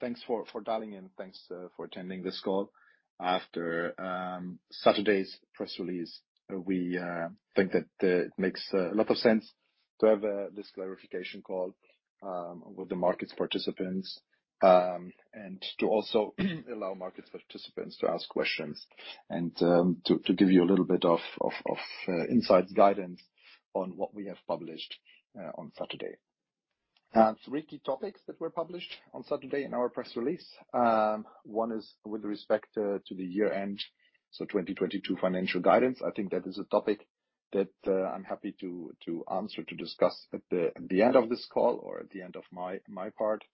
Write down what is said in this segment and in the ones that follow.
Thanks for dialing in. Thanks for attending this call. After Saturday's press release, we think that it makes a lot of sense to have this clarification call with the markets participants and to also allow markets participants to ask questions and to give you a little bit of insights, guidance on what we have published on Saturday. Three key topics that were published on Saturday in our press release. One is with respect to the year-end, so 2022 financial guidance. I think that is a topic that I'm happy to answer, to discuss at the end of this call or at the end of my part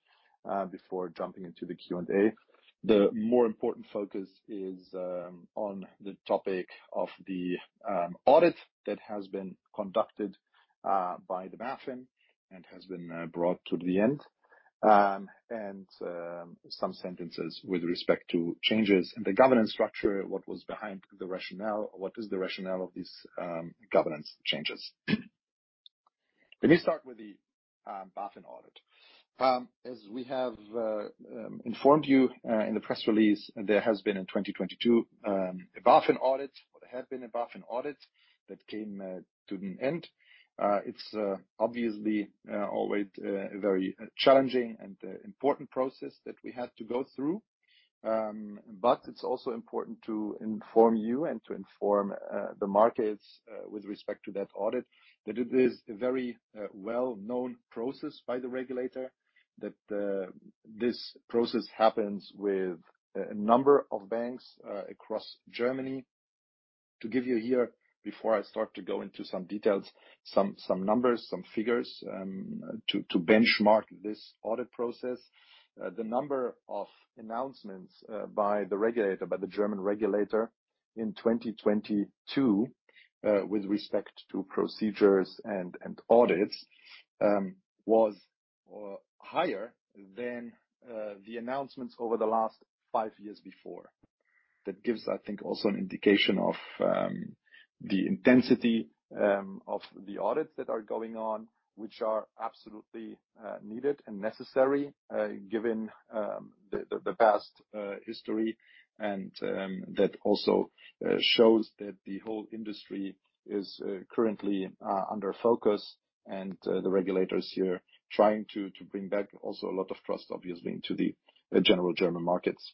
before jumping into the Q&A. The more important focus is on the topic of the audit that has been conducted by the BaFin and has been brought to the end. Some sentences with respect to changes in the governance structure, what was behind the rationale, what is the rationale of these governance changes. Let me start with the BaFin audit. As we have informed you in the press release, there has been in 2022 a BaFin audit, or there had been a BaFin audit that came to an end. It's obviously always a very challenging and important process that we had to go through. It's also important to inform you and to inform the markets with respect to that audit, that it is a very well-known process by the regulator, that this process happens with a number of banks across Germany. To give you here, before I start to go into some details, some numbers, some figures to benchmark this audit process. The number of announcements by the regulator, by the German regulator in 2022, with respect to procedures and audits, was higher than the announcements over the last five years before. That gives, I think, also an indication of the intensity of the audits that are going on, which are absolutely needed and necessary given the past history. That also shows that the whole industry is currently under focus and the regulators here trying to bring back also a lot of trust, obviously, to the general German markets.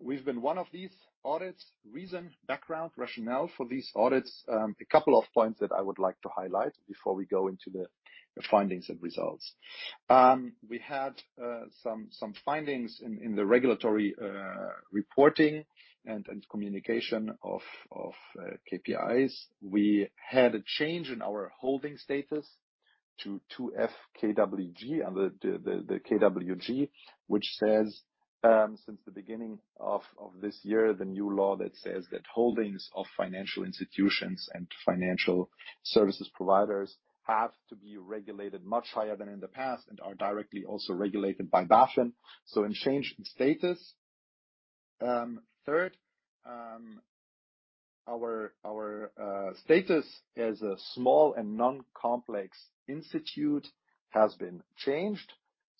We've been one of these audits. Reason, background, rationale for these audits, a couple of points that I would like to highlight before we go into the findings and results. We had some findings in the regulatory reporting and communication of KPIs. We had a change in our holding status to IFKG, and the KWG, which says, since the beginning of this year, the new law that says that holdings of financial institutions and financial services providers have to be regulated much higher than in the past and are directly also regulated by BaFin. In change in status. Third, our status as a Small and Non-Complex Institution has been changed.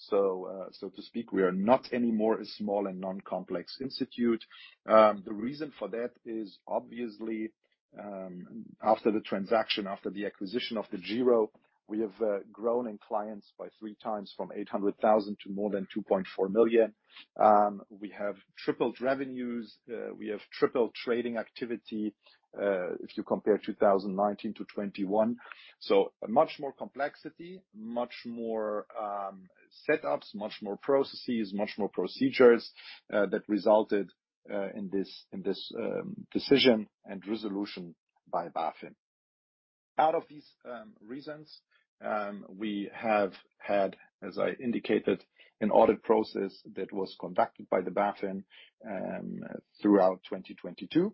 So to speak, we are not anymore a Small and Non-Complex Institution. The reason for that is obviously, after the transaction, after the acquisition of DEGIRO, we have grown in clients by three times from 800,000 to more than 2.4 million. We have tripled revenues, we have tripled trading activity, if you compare 2019 to 2021. Much more complexity, much more setups, much more processes, much more procedures that resulted in this, in this decision and resolution by BaFin. Out of these reasons, we have had, as I indicated, an audit process that was conducted by BaFin throughout 2022.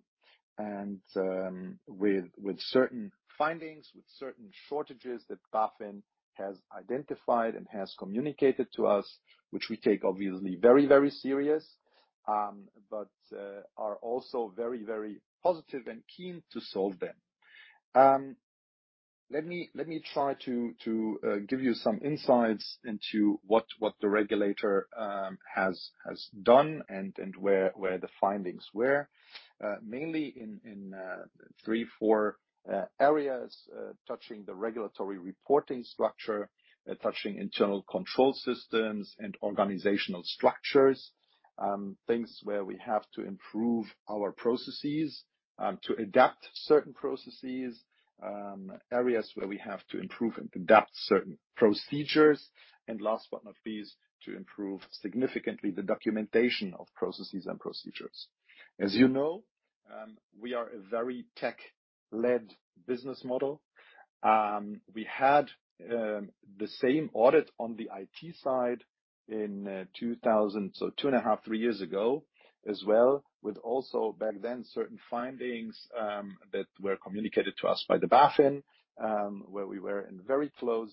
With certain findings, with certain shortages that BaFin has identified and has communicated to us, which we take obviously very, very serious, but are also very, very positive and keen to solve them. Let me try to give you some insights into what the regulator has done and where the findings were. Mainly in three, four areas, touching the regulatory reporting structure, touching internal control systems and organizational structures. Things where we have to improve our processes to adapt certain processes. Areas where we have to improve and adapt certain procedures. Last but not least, to improve significantly the documentation of processes and procedures. As you know, we are a very tech-led business model. We had the same audit on the IT side in 2,000, so 2.5, three years ago as well, with also back then certain findings that were communicated to us by the BaFin, where we were in very close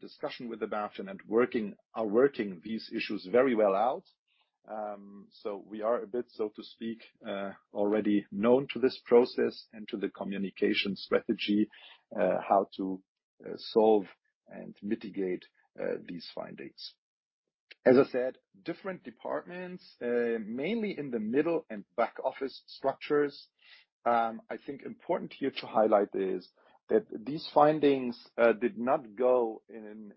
discussion with the BaFin and are working these issues very well out. We are a bit, so to speak, already known to this process and to the communication strategy, how to solve and mitigate these findings. As I said, different departments, mainly in the middle and back-office structures. I think important here to highlight is that these findings did not go in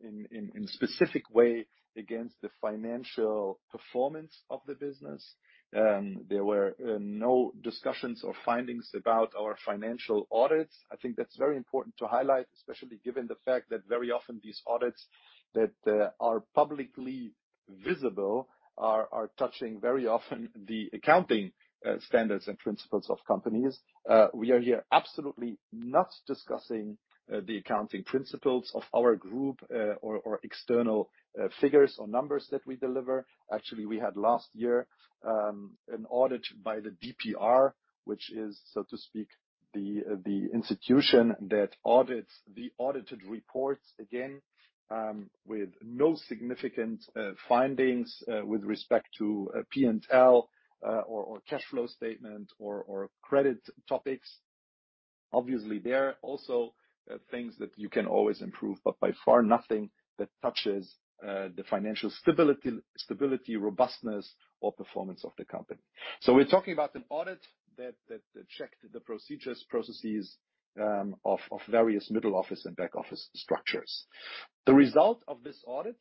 specific way against the financial performance of the business. There were no discussions or findings about our financial audits. I think that's very important to highlight, especially given the fact that very often these audits that, uh, are publicly visible are, are touching very often the accounting, uh, standards and principles of companies. Uh, we are here absolutely not discussing, uh, the accounting principles of our group, uh, or, or external, uh, figures or numbers that we deliver. Actually, we had last year, um, an audit by the DPR, which is, so to speak, the, the institution that audits the audited reports. Again, um, with no significant, uh, findings, uh, with respect to, uh, P&L, uh, or, or cash flow statement or, or credit topics. Obviously, there are also things that you can always improve, but by far nothing that touches, uh, the financial stability, stability, robustness or performance of the company. We're talking about an audit that checked the procedures, processes, of various middle office and back office structures. The result of this audit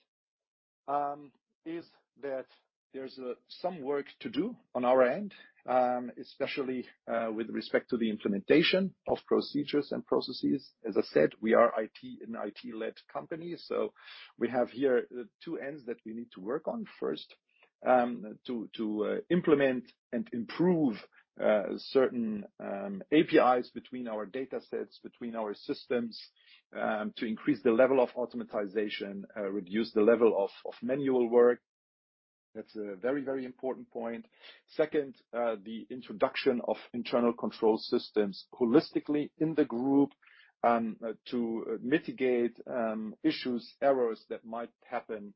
is that there's some work to do on our end, especially with respect to the implementation of procedures and processes. As I said, we are an IT-led company. We have here two ends that we need to work on. First, to implement and improve certain APIs between our datasets, between our systems, to increase the level of automatization, reduce the level of manual work. That's a very, very important point. Second, the introduction of internal control systems holistically in the group, to mitigate issues, errors that might happen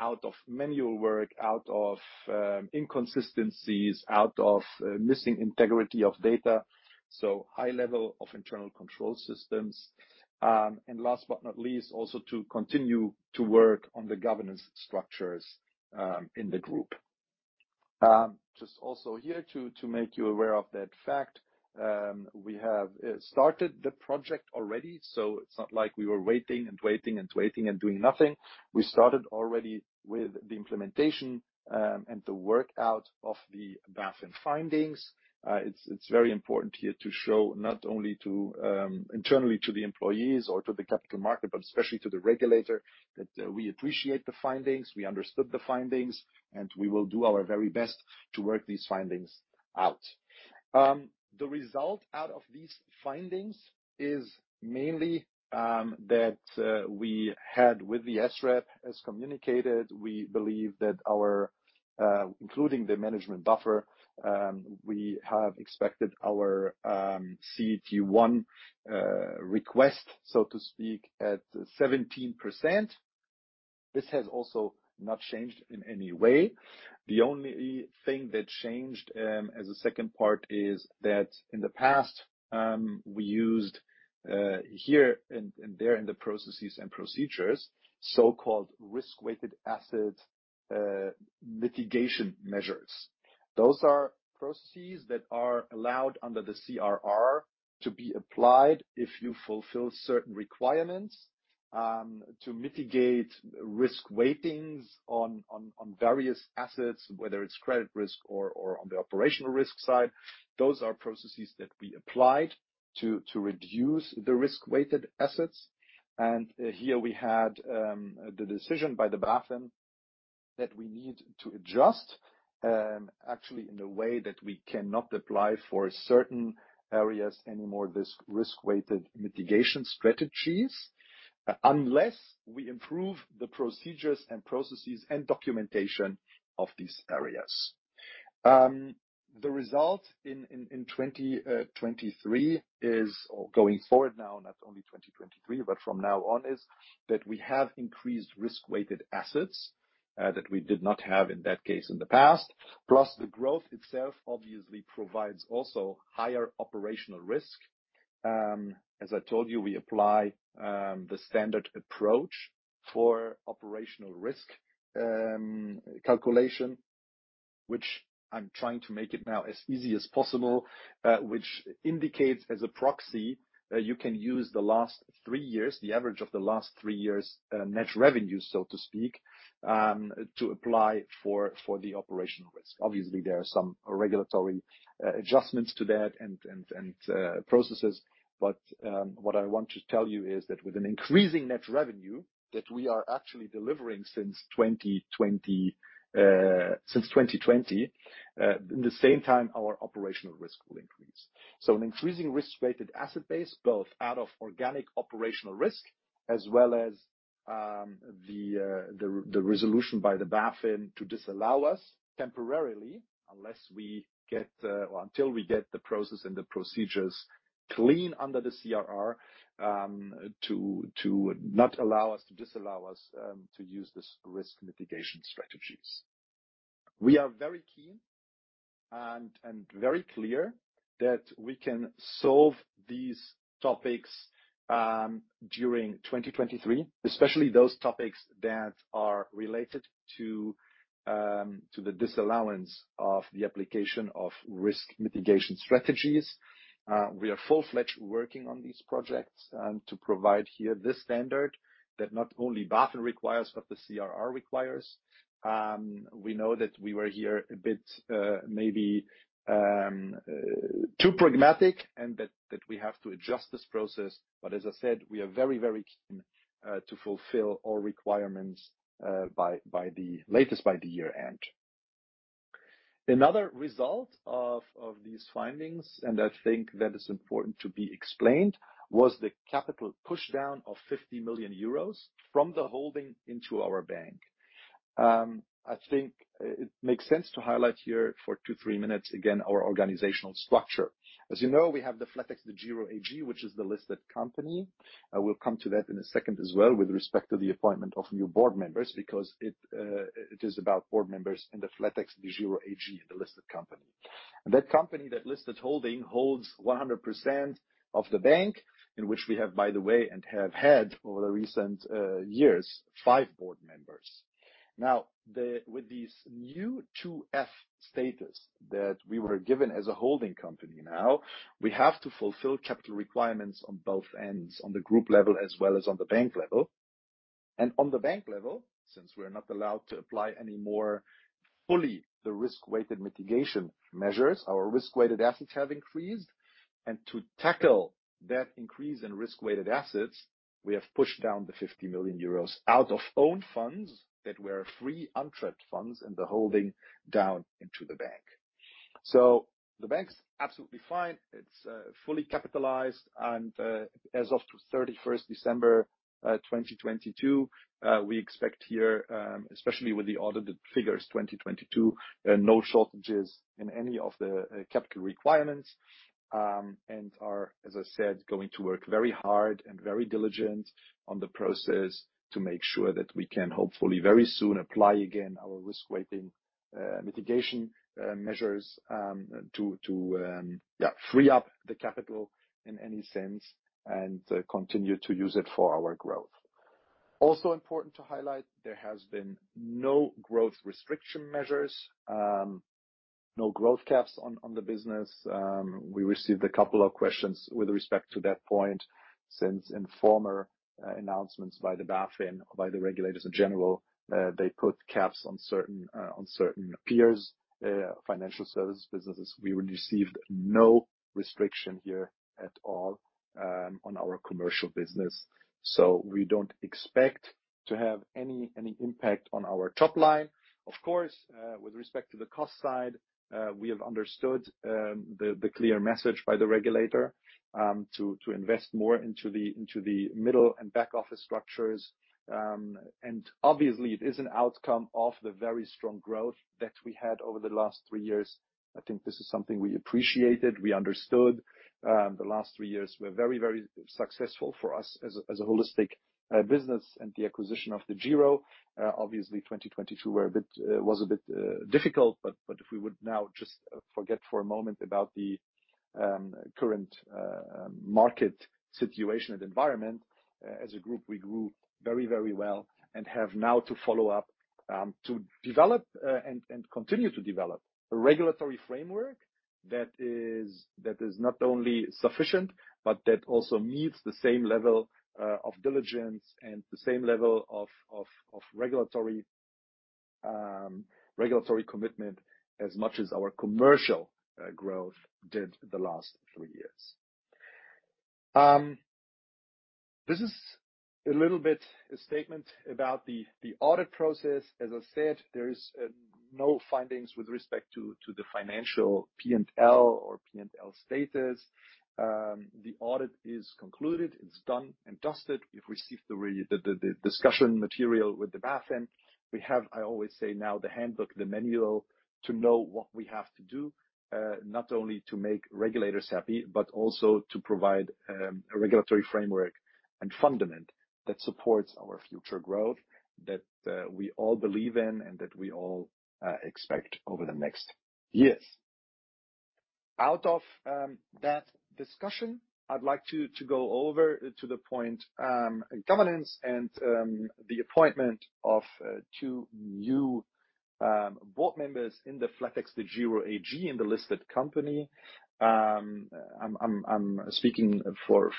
out of manual work, out of inconsistencies, out of missing integrity of data. High level of internal control systems. And last but not least, also to continue to work on the governance structures in the group. Just also here to make you aware of that fact, we have started the project already, so it's not like we were waiting and waiting and waiting and doing nothing. We started already with the implementation and the work out of the BaFin findings. It's very important here to show not only to internally to the employees or to the capital market, but especially to the regulator, that we appreciate the findings, we understood the findings, and we will do our very best to work these findings out. The result out of these findings is mainly that we had with the SREP as communicated. We believe that our, including the management buffer, we have expected our CET1 request, so to speak, at 17%. This has also not changed in any way. The only thing that changed as a second part is that in the past, we used here and there in the processes and procedures, so-called risk-weighted asset mitigation measures. Those are processes that are allowed under the CRR to be applied if you fulfill certain requirements to mitigate risk weightings on various assets, whether it's credit risk or on the operational risk side. Those are processes that we applied to reduce the risk-weighted assets. Here we had the decision by the BaFin that we need to adjust actually in a way that we cannot apply for certain areas any more of this risk-weighted mitigation strategies, unless we improve the procedures and processes and documentation of these areas. The result in 2023 is or going forward now, not only 2023, but from now on, is that we have increased risk-weighted assets that we did not have in that case in the past. Plus the growth itself obviously provides also higher operational risk. As I told you, we apply the standard approach for operational risk calculation, which I'm trying to make it now as easy as possible, which indicates as a proxy, you can use the last three years, the average of the last three years', net revenue, so to speak, to apply for the operational risk. Obviously, there are some regulatory adjustments to that and processes. What I want to tell you is that with an increasing net revenue that we are actually delivering since 2020, in the same time, our operational risk will increase. An increasing risk-weighted asset base, both out of organic operational risk as well as the resolution by the BaFin to disallow us temporarily unless we get or until we get the process and the procedures clean under the CRR, to disallow us to use this risk mitigation strategies. We are very keen and very clear that we can solve these topics during 2023, especially those topics that are related to the disallowance of the application of risk mitigation strategies. We are full-fledged working on these projects and to provide here this standard that not only BaFin requires, but the CRR requires. We know that we were here a bit maybe too pragmatic and that we have to adjust this process. As I said, we are very, very keen to fulfill all requirements by the latest, by the year-end. Another result of these findings, and I think that is important to be explained, was the capital pushdown of 50 million euros from the holding into our bank. I think it makes sense to highlight here for two, three minutes again our organizational structure. As you know, we have the flatexDEGIRO AG, which is the listed company. I will come to that in a second as well with respect to the appointment of new board members because it is about board members in the flatexDEGIRO AG, the listed company. That company, that listed holding, holds 100% of the bank in which we have, by the way, and have had over the recent years, five board members. Now, with this new 2f status that we were given as a holding company now, we have to fulfill capital requirements on both ends, on the group level as well as on the bank level. On the bank level, since we're not allowed to apply any more fully the risk-weighted asset mitigation measures, our risk-weighted assets have increased. To tackle that increase in risk-weighted assets, we have pushed down the 50 million euros out of own funds that were free untrapped funds in the holding down into the bank. The bank's absolutely fine. It's fully capitalized and as of 31st December 2022, we expect here, especially with the audited figures 2022, no shortages in any of the capital requirements. Are, as I said, going to work very hard and very diligent on the process to make sure that we can hopefully very soon apply again our risk-weighting mitigation measures to free up the capital in any sense and continue to use it for our growth. Also important to highlight, there has been no growth restriction measures, no growth caps on the business. We received a couple of questions with respect to that point since in former announcements by the BaFin, by the regulators in general, they put caps on certain on certain peers financial services businesses. We received no restriction here at all on our commercial business. We don't expect to have any impact on our top line. Of course, with respect to the cost side, we have understood the clear message by the regulator to invest more into the middle and back-office structures. Obviously it is an outcome of the very strong growth that we had over the last three years. I think this is something we appreciated, we understood. The last three years were very, very successful for us as a holistic business and the acquisition of DEGIRO. Obviously 2022 was a bit difficult. If we would now just forget for a moment about the current market situation and environment, as a group, we grew very, very well and have now to follow up to develop and continue to develop a regulatory framework that is not only sufficient, but that also meets the same level of diligence and the same level of regulatory commitment as much as our commercial growth did the last three years. This is a little bit a statement about the audit process. As I said, there is no findings with respect to the financial P&L or P&L status. The audit is concluded. It's done and dusted. We've received the discussion material with the BaFin. We have, I always say now, the handbook, the manual to know what we have to do, not only to make regulators happy, but also to provide a regulatory framework and fundament that supports our future growth that we all believe in and that we all expect over the next years. Out of that discussion, I'd like to go over to the point governance and the appointment of two new board members in the flatexDEGIRO AG in the listed company. I'm speaking for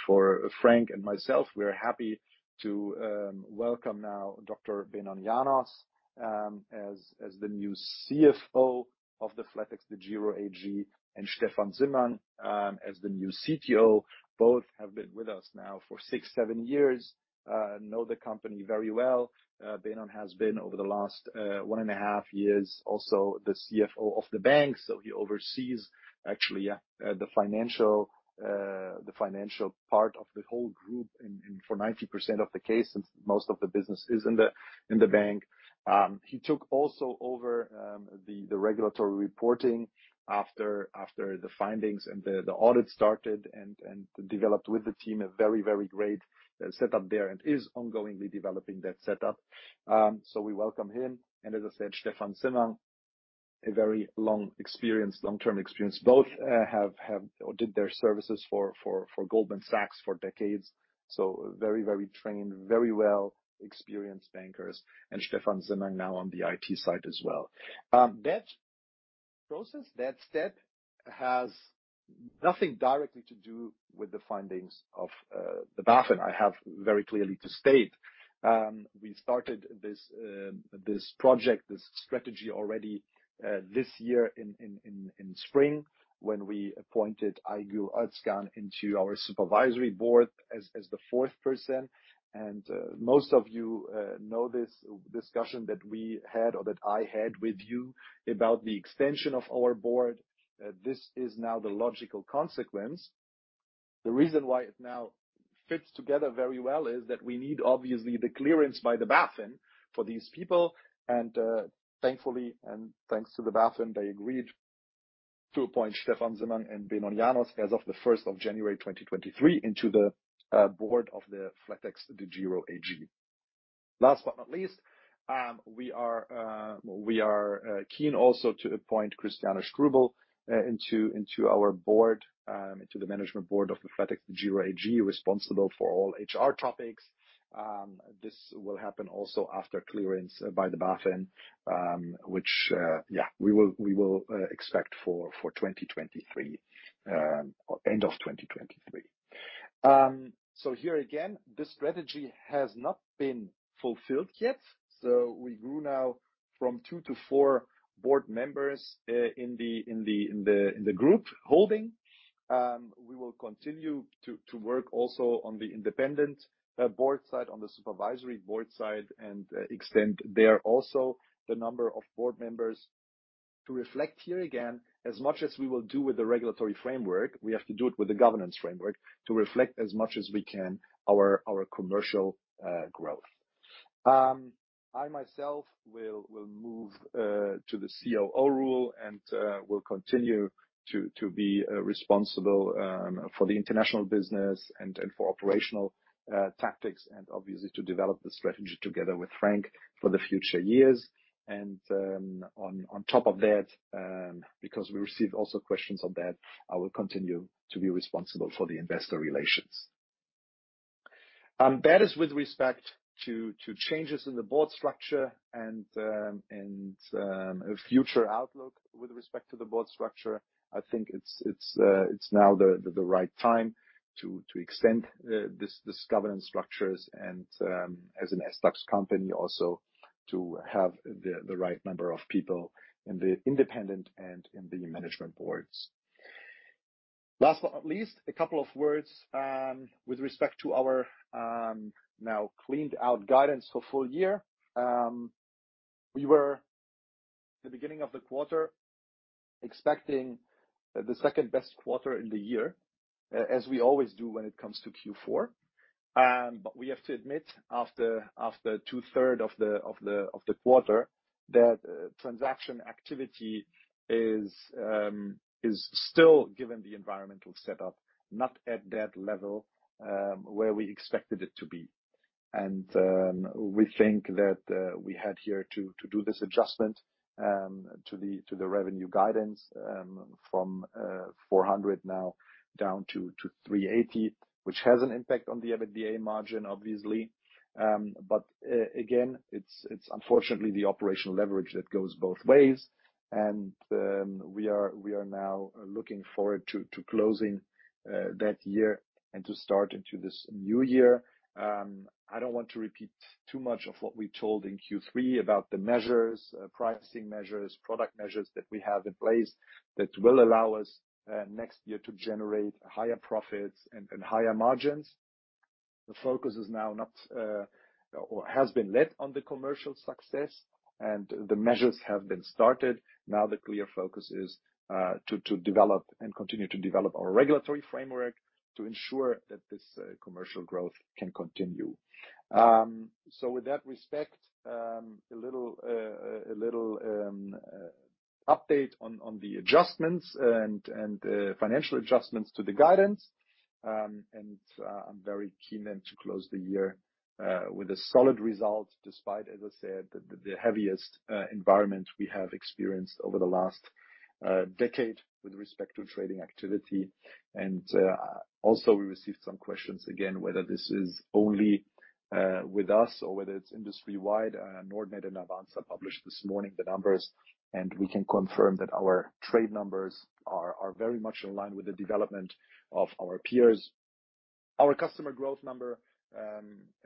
Frank and myself. We're happy to welcome now Dr. Benon János as the new CFO of the flatexDEGIRO AG, and Stephan Simmang as the new CTO. Both have been with us now for six, seven years, know the company very well. Benon has been over the last 1.5 years also the CFO of the bank. He oversees actually the financial part of the whole group and for 90% of the case since most of the business is in the bank. He took also over the regulatory reporting after the findings and the audit started and developed with the team a very great setup there and is ongoingly developing that setup. We welcome him. As I said, Stephan Simmang a very long experience, long-term experience. Both have or did their services for Goldman Sachs for decades. Very well experienced bankers and Stephan Simmang now on the IT side as well. That process, that step has nothing directly to do with the findings of the BaFin. I have very clearly to state, we started this project, this strategy already this year in spring when we appointed Aygül Özkan into our supervisory board as the fourth person. Most of you know this discussion that we had or that I had with you about the extension of our board. This is now the logical consequence. The reason why it now fits together very well is that we need obviously the clearance by the BaFin for these people. Thankfully and thanks to the BaFin, they agreed to appoint Stephan Simmang and Benon János as of the 1st of January 2023 into the board of the flatexDEGIRO AG. Last but not least, we are keen also to appoint Christiane Strubel into our board, into the management board of the flatexDEGIRO AG, responsible for all HR topics. This will happen also after clearance by the BaFin, which we will expect for 2023, end of 2023. Here again, this strategy has not been fulfilled yet. We grew now from two to four board members in the group holding. We will continue to work also on the independent board side, on the supervisory board side, and extend there also the number of board members to reflect here again, as much as we will do with the regulatory framework, we have to do it with the governance framework to reflect as much as we can our commercial growth. I myself will move to the COO role and will continue to be responsible for the international business and for operational tactics and obviously to develop the strategy together with Frank for the future years. On top of that, because we received also questions on that, I will continue to be responsible for the investor relations. That is with respect to changes in the board structure and a future outlook with respect to the board structure. I think it's now the right time to extend this governance structures and as an SDAX company also to have the right number of people in the independent and in the management boards. Last but not least, a couple of words with respect to our now cleaned out guidance for full year. We were the beginning of the quarter expecting the second best quarter in the year, as we always do when it comes to Q4. We have to admit, after 2/3 of the quarter, that transaction activity is still given the environmental setup, not at that level where we expected it to be. We think that we had here to do this adjustment to the revenue guidance from 400 now down to 380, which has an impact on the EBITDA margin, obviously. Again, it's unfortunately the operational leverage that goes both ways. We are now looking forward to closing that year and to start into this new year. I don't want to repeat too much of what we told in Q3 about the measures, pricing measures, product measures that we have in place that will allow us next year to generate higher profits and higher margins. The focus is now not or has been led on the commercial success, and the measures have been started. Now the clear focus is to develop and continue to develop our regulatory framework to ensure that this commercial growth can continue. With that respect, a little update on the adjustments and financial adjustments to the guidance. I'm very keen then to close the year with a solid result despite, as I said, the heaviest environment we have experienced over the last decade with respect to trading activity. Also, we received some questions again, whether this is only with us or whether it's industry-wide. Nordnet and Avanza published this morning the numbers, and we can confirm that our trade numbers are very much in line with the development of our peers. Our customer growth number,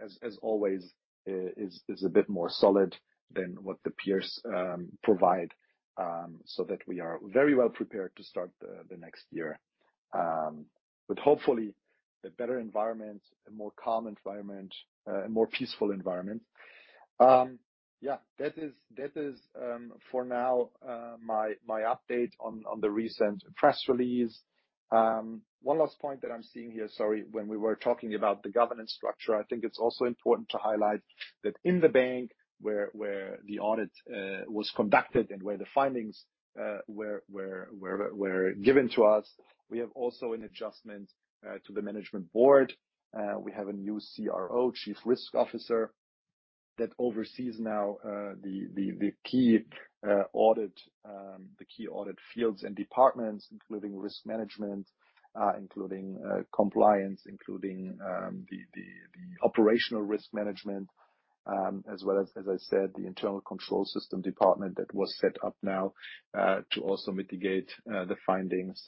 as always, is a bit more solid than what the peers provide, so that we are very well prepared to start the next year. With hopefully a better environment, a more calm environment, a more peaceful environment. Yeah, that is for now, my update on the recent press release. One last point that I'm seeing here, sorry, when we were talking about the governance structure. I think it's also important to highlight that in the bank where the audit was conducted and where the findings were given to us, we have also an adjustment to the management board. We have a new CRO, Chief Risk Officer, that oversees now the key audit fields and departments, including risk management, including compliance, including the operational risk management, as well as I said, the internal control system department that was set up now to also mitigate the findings.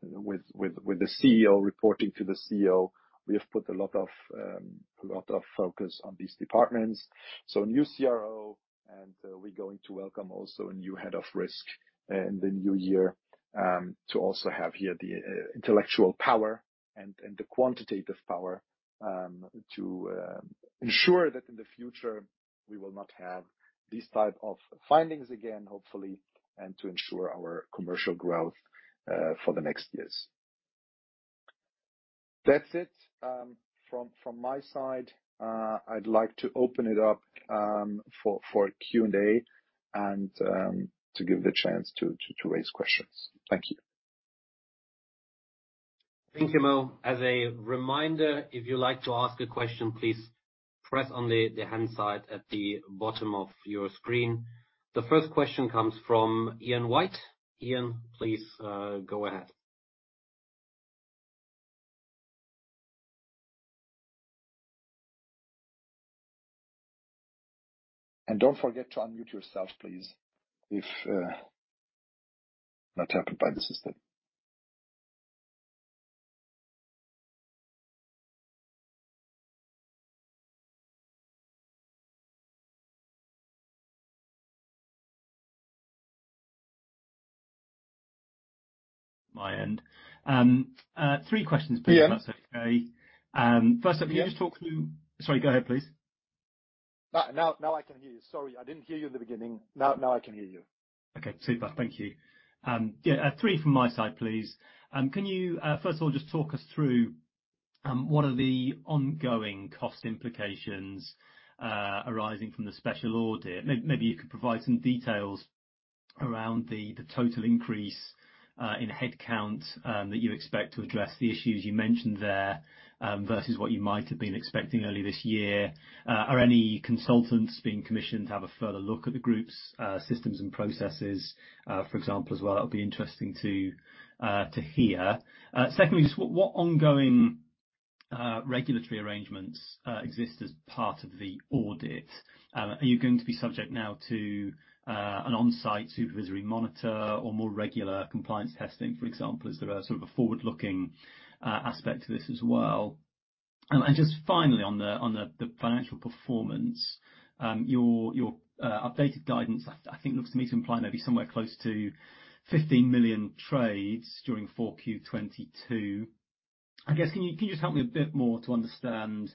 With the CEO reporting to the CEO, we have put a lot of focus on these departments. So a new CRO, and we're going to welcome also a new head of risk in the new year, to also have here the intellectual power and the quantitative power, to ensure that in the future we will not have these type of findings again, hopefully, and to ensure our commercial growth for the next years. That's it from my side. I'd like to open it up for Q&A and to give the chance to raise questions. Thank you. Thank you, Mo. As a reminder, if you'd like to ask a question, please press on the hand sign at the bottom of your screen. The first question comes from Ian White. Ian, please go ahead. Don't forget to unmute yourself, please, if not handled by the system. My end. three questions please. Yeah. If that's okay. Yeah. Can you just talk through... Sorry, go ahead, please. Now I can hear you. Sorry, I didn't hear you in the beginning. Now I can hear you. Okay, super. Thank you. Yeah, three from my side, please. Can you first of all, just talk us through what are the ongoing cost implications arising from the special audit? Maybe you could provide some details around the total increase in headcount that you expect to address the issues you mentioned there versus what you might have been expecting earlier this year. Are any consultants being commissioned to have a further look at the group's systems and processes, for example, as well? That'll be interesting to hear. Secondly, just what ongoing regulatory arrangements exist as part of the audit? Are you going to be subject now to an on-site supervisory monitor or more regular compliance testing, for example, as there are sort of a forward-looking aspect to this as well? Just finally on the financial performance, your updated guidance, I think looks to me to imply maybe somewhere close to 15 million trades during 4Q 2022. I guess can you just help me a bit more to understand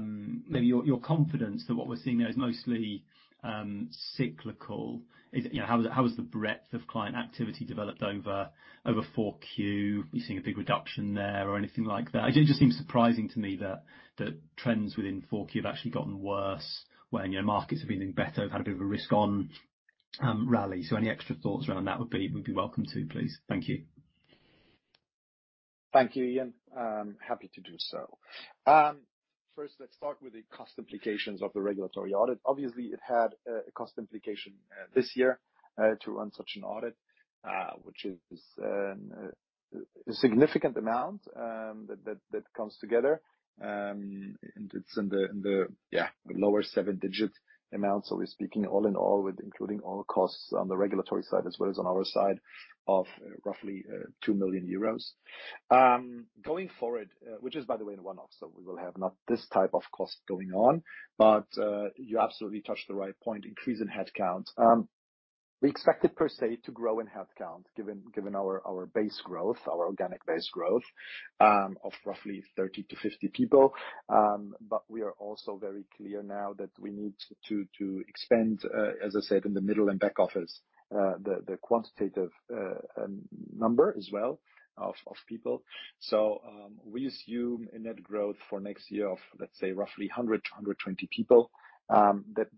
maybe your confidence that what we're seeing there is mostly cyclical? You know, how has the breadth of client activity developed over 4Q? Are you seeing a big reduction there or anything like that? It just seems surprising to me that trends within 4Q have actually gotten worse when, you know, markets have been doing better. We've had a bit of a risk on, rally. Any extra thoughts around that would be welcome too, please. Thank you. Thank you, Ian. I'm happy to do so. First, let's start with the cost implications of the regulatory audit. Obviously, it had a cost implication this year to run such an audit, which is a significant amount that comes together. It's in the lower seven digit amount. We're speaking all in all with including all costs on the regulatory side as well as on our side of roughly 2 million euros. Going forward, which is, by the way, in one-off, we will have not this type of cost going on. You absolutely touched the right point, increase in headcount. We expect it per se to grow in headcount, given our base growth, our organic base growth, of roughly 30-50 people. We are also very clear now that we need to expand, as I said, in the middle and back office, the quantitative number as well of people. We assume a net growth for next year of, let’s say, roughly 100 to 120 people.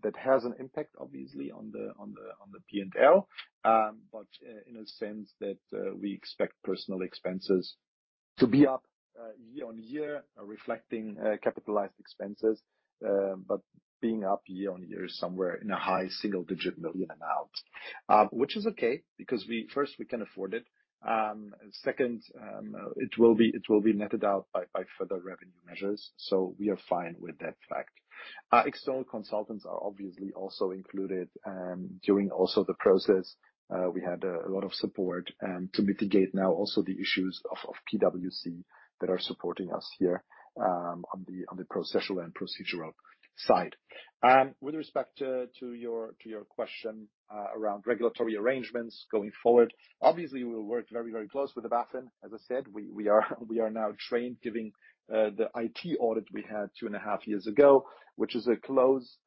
That has an impact, obviously, on the P&L. In a sense that we expect personal expenses to be up year-on-year, reflecting capitalized expenses, but being up year-on-year somewhere in a high single-digit million amount. Which is okay, because first, we can afford it. Second, it will be netted out by further revenue measures. We are fine with that fact. Our external consultants are obviously also included, during also the process. We had a lot of support to mitigate now also the issues of PwC that are supporting us here, on the processual and procedural side. With respect to your question, around regulatory arrangements going forward, obviously, we will work very, very close with the BaFin. As I said, we are now trained, giving the IT audit we had two and a half years ago, which is a close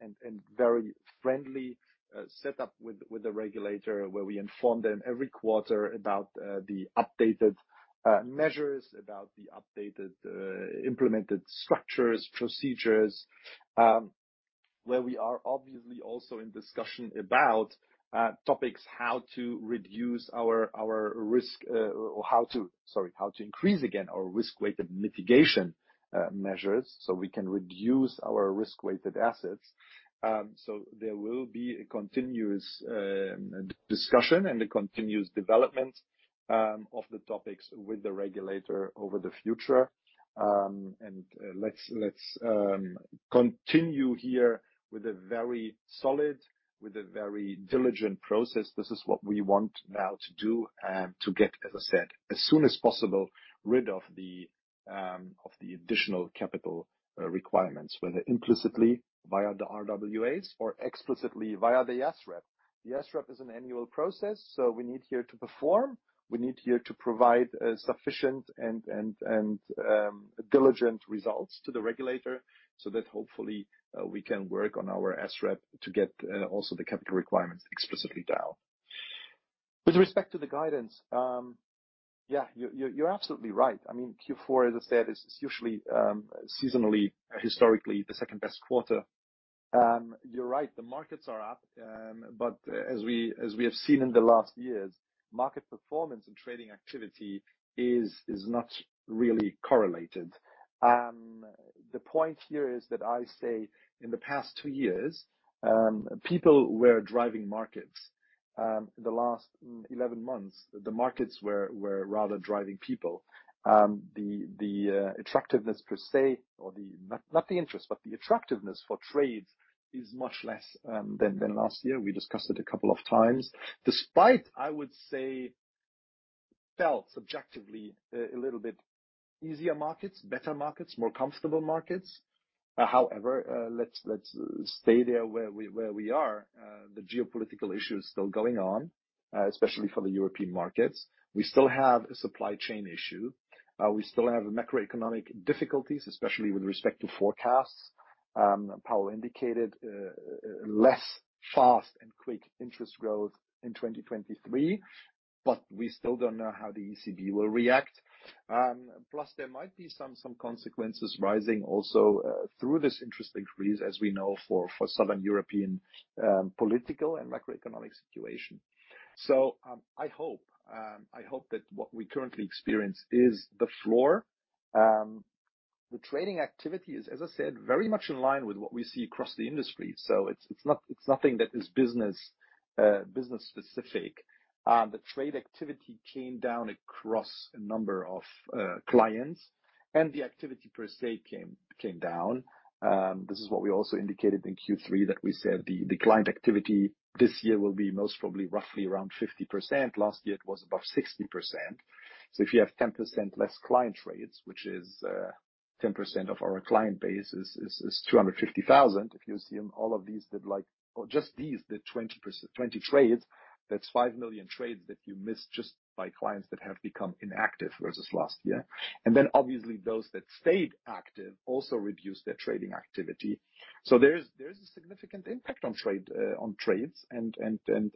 and very friendly set up with the regulator, where we inform them every quarter about the updated measures, about the updated implemented structures, procedures. Where we are obviously also in discussion about topics how to reduce our risk, or how to sorry, how to increase again our risk-weighted mitigation measures so we can reduce our risk-weighted assets. There will be a continuous discussion and a continuous development of the topics with the regulator over the future. Let's continue here with a very solid, with a very diligent process. This is what we want now to do and to get, as I said, as soon as possible rid of the of the additional capital requirements, whether implicitly via the RWAs or explicitly via the SREP. The SREP is an annual process. We need here to perform. We need here to provide sufficient and diligent results to the regulator so that hopefully, we can work on our SREP to get also the capital requirements explicitly down. With respect to the guidance, yeah, you're absolutely right. I mean, Q4, as I said, is usually seasonally, historically the second-best quarter. You're right, the markets are up. As we have seen in the last years, market performance and trading activity is not really correlated. The point here is that I say in the past two years, people were driving markets. The last 11 months, the markets were rather driving people. The attractiveness per se or not the interest, but the attractiveness for trades is much less than last year. We discussed it a couple of times. Despite, I would say, felt subjectively a little bit easier markets, better markets, more comfortable markets. However, let's stay there where we are. The geopolitical issue is still going on, especially for the European markets. We still have a supply chain issue. We still have macroeconomic difficulties, especially with respect to forecasts. Paul indicated less fast and quick interest growth in 2023, but we still don't know how the ECB will react. Plus, there might be some consequences rising also through this interesting freeze, as we know, for Southern European political and macroeconomic situation. I hope that what we currently experience is the floor. The trading activity is, as I said, very much in line with what we see across the industry. It's nothing that is business specific. The trade activity came down across a number of clients, and the activity per se came down. This is what we also indicated in Q3, that we said the client activity this year will be most probably roughly around 50%. Last year, it was above 60%. If you have 10% less client trades, which is, 10% of our client base is 250,000. If you assume all of these did like... Or just these, 20 trades, that's 5 million trades that you missed just by clients that have become inactive versus last year. Obviously those that stayed active also reduced their trading activity. There is a significant impact on trades, and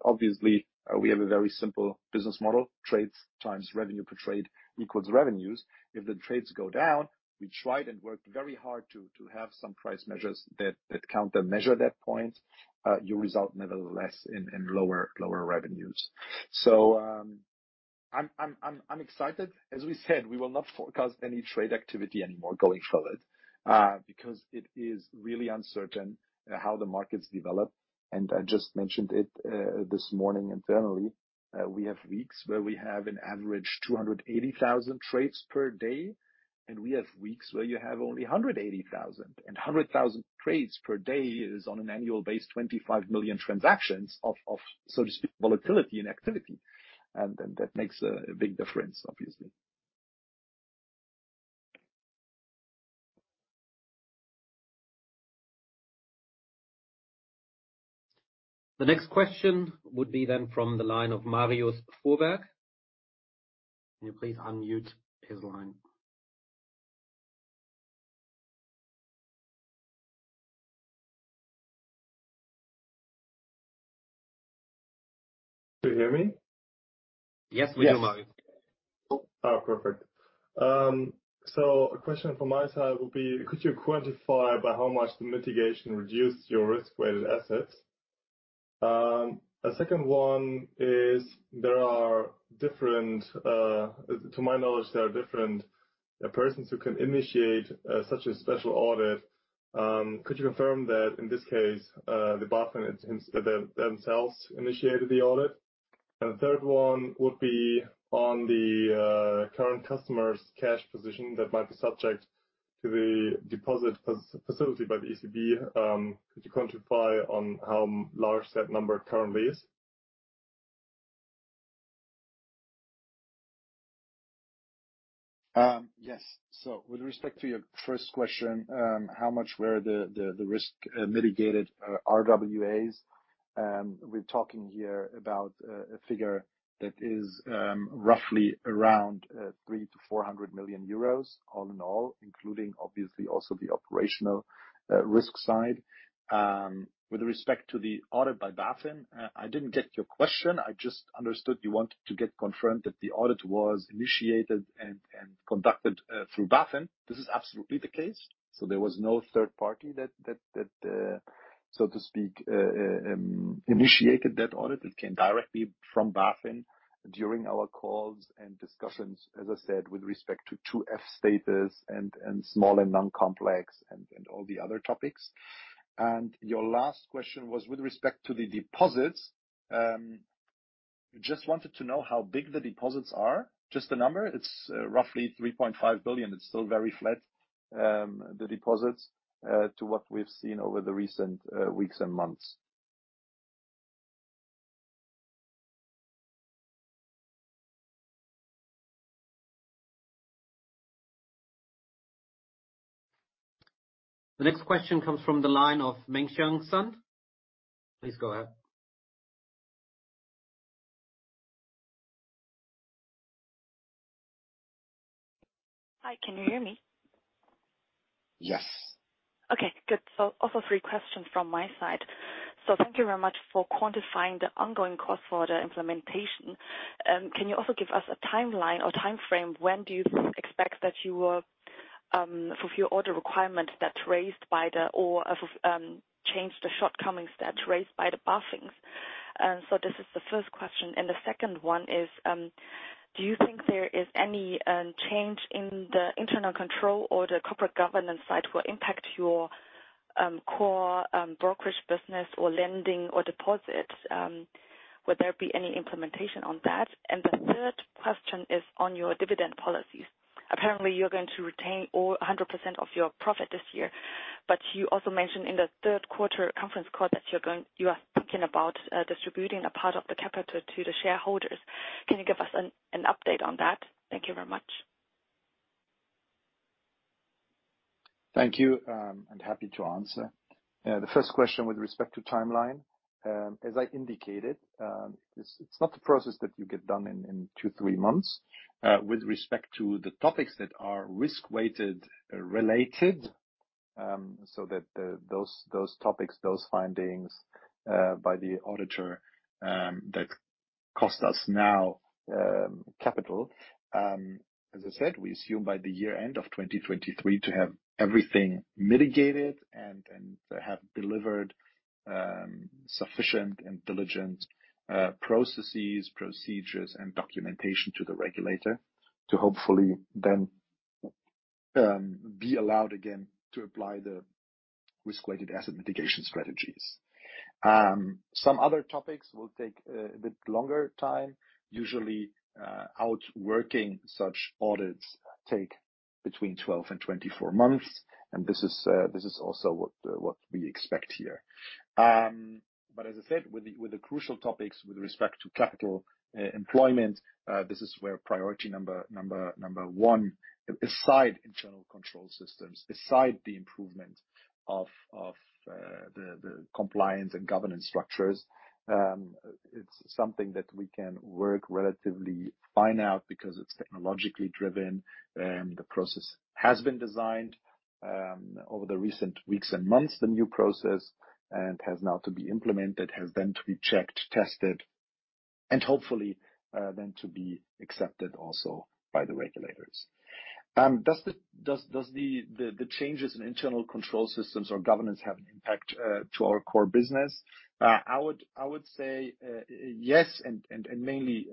obviously, we have a very simple business model. Trades times revenue per trade equals revenues. If the trades go down, we tried and worked very hard to have some price measures that countermeasure that point, you result nevertheless in lower revenues. I'm excited. As we said, we will not forecast any trade activity anymore going forward, because it is really uncertain how the markets develop. I just mentioned it, this morning internally, we have weeks where we have an average 280,000 trades per day, and we have weeks where you have only 180,000. 100,000 trades per day is on an annual base, 25 million transactions of so to speak, volatility and activity. That makes a big difference, obviously. The next question would be then from the line of Marius Fuhrberg. Can you please unmute his line? Do you hear me? Yes, we do, Marius. Yes. Oh, perfect. A question from my side would be, could you quantify by how much the mitigation reduced your risk-weighted assets? A second one is, to my knowledge, there are different persons who can initiate such a special audit. Could you confirm that in this case, the BaFin themselves initiated the audit? The third one would be on the current customer's cash position that might be subject to the deposit facility by the ECB. Could you quantify on how large that number currently is? Yes. With respect to your first question, how much were the risk mitigated RWAs? We're talking here about a figure that is roughly around 300 million-400 million euros all in all, including obviously also the operational risk side. With respect to the audit by BaFin, I didn't get your question. I just understood you want to get confirmed that the audit was initiated and conducted through BaFin. This is absolutely the case. There was no third party that, so to speak, initiated that audit. It came directly from BaFin during our calls and discussions, as I said, with respect to 2f status and Small and Non-Complex and all the other topics. Your last question was with respect to the deposits. You just wanted to know how big the deposits are? Just the number. It's roughly 3.5 billion. It's still very flat, the deposits, to what we've seen over the recent weeks and months. The next question comes from the line of Mengxian Sun. Please go ahead. Hi. Can you hear me? Yes. Okay, good. Also three questions from my side. Thank you very much for quantifying the ongoing cost for the implementation. Can you also give us a timeline or time frame, when do you expect that you will fulfill all the requirements change the shortcomings that's raised by the BaFin? This is the first question. The second one is, do you think there is any change in the internal control or the corporate governance side will impact your core brokerage business or lending or deposits? Would there be any implementation on that? The third question is on your dividend policies. Apparently, you're going to retain all 100% of your profit this year. You also mentioned in the third quarter conference call that you are thinking about distributing a part of the capital to the shareholders. Can you give us an update on that? Thank you very much. Thank you. Happy to answer. The first question with respect to timeline. As I indicated, it's not a process that you get done in two, three months. With respect to the topics that are risk-weighted related, so that those topics, those findings by the auditor that cost us now capital. As I said, we assume by the year end of 2023 to have everything mitigated and have delivered sufficient and diligent processes, procedures, and documentation to the regulator to hopefully then be allowed again to apply the risk-weighted asset mitigation strategies. Some other topics will take the longer time. Usually, outworking such audits take between 12 and 24 months. This is also what we expect here. As I said, with the crucial topics with respect to capital, employment, this is where priority number one, aside internal control systems, aside the improvement of the compliance and governance structures, it's something that we can work relatively fine out because it's technologically driven. The process has been designed over the recent weeks and months, the new process, and has now to be implemented, has then to be checked, tested, and hopefully, then to be accepted also by the regulators. Does the changes in internal control systems or governance have an impact to our core business? I would say, yes, and mainly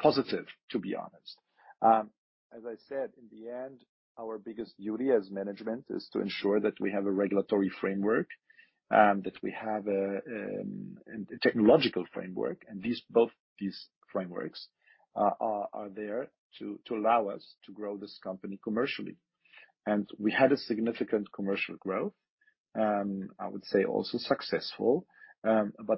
positive, to be honest. As I said, in the end, our biggest duty as management is to ensure that we have a regulatory framework, that we have a technological framework. Both these frameworks are there to allow us to grow this company commercially. We had a significant commercial growth, I would say also successful.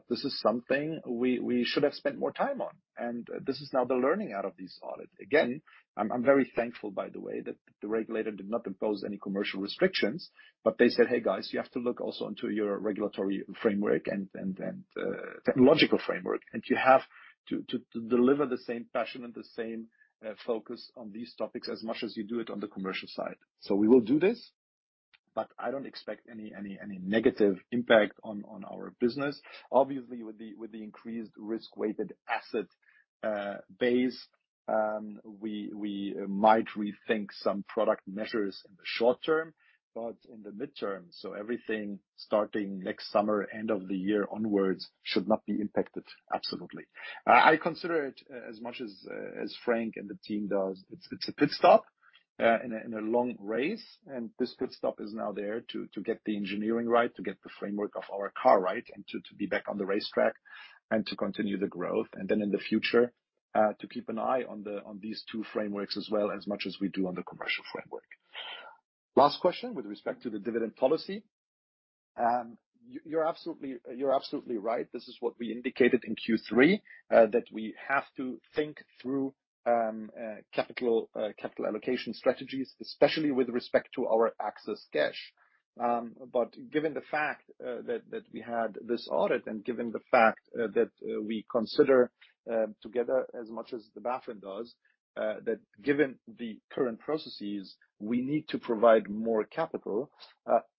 This is something we should have spent more time on, and this is now the learning out of this audit. Again, I'm very thankful, by the way, that the regulator did not impose any commercial restrictions, but they said, "Hey, guys, you have to look also into your regulatory framework and technological framework. You have to deliver the same passion and the same focus on these topics as much as you do it on the commercial side." We will do this, but I don't expect any negative impact on our business. Obviously, with the increased risk-weighted asset base, we might rethink some product measures in the short term, but in the midterm, so everything starting next summer, end of the year onwards, should not be impacted. Absolutely. I consider it as much as Frank and the team does. It's a pit stop in a long race, and this pit stop is now there to get the engineering right, to get the framework of our car right, and to be back on the racetrack and to continue the growth, and then in the future, to keep an eye on these two frameworks as well, as much as we do on the commercial framework. Last question with respect to the dividend policy. You're absolutely right. This is what we indicated in Q3 that we have to think through capital allocation strategies, especially with respect to our excess cash. Given the fact that we had this audit and given the fact that we consider together as much as the BaFin does, that given the current processes, we need to provide more capital.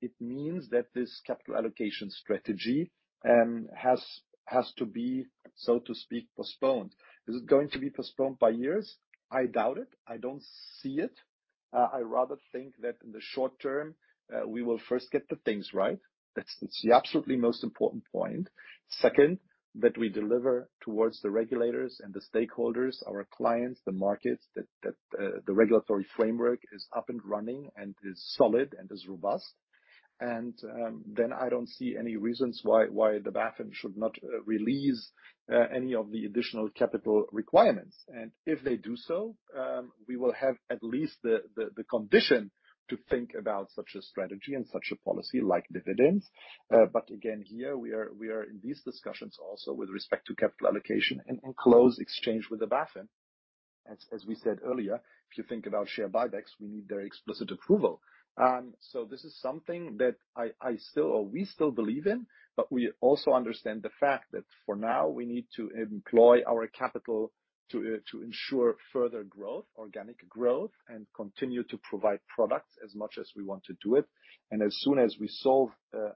It means that this capital allocation strategy has to be, so to speak, postponed. Is it going to be postponed by years? I doubt it. I don't see it. I rather think that in the short term, we will first get the things right. That's the absolutely most important point. Second, that we deliver towards the regulators and the stakeholders, our clients, the markets, that the regulatory framework is up and running and is solid and is robust. I don't see any reasons why the BaFin should not release any of the additional capital requirements. If they do so, we will have at least the condition to think about such a strategy and such a policy like dividends. Again, here we are in these discussions also with respect to capital allocation and in close exchange with the BaFin. As we said earlier, if you think about share buybacks, we need their explicit approval. This is something that I still or we still believe in, but we also understand the fact that for now, we need to employ our capital to ensure further growth, organic growth, and continue to provide products as much as we want to do it. As soon as we solve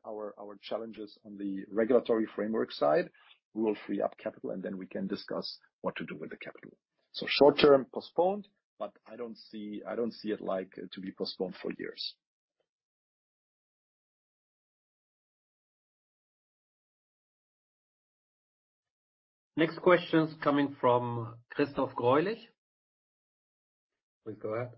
our challenges on the regulatory framework side, we will free up capital, and then we can discuss what to do with the capital. short term, postponed, but I don't see it like to be postponed for years. Next question is coming from Christoph Greulich. Please go ahead.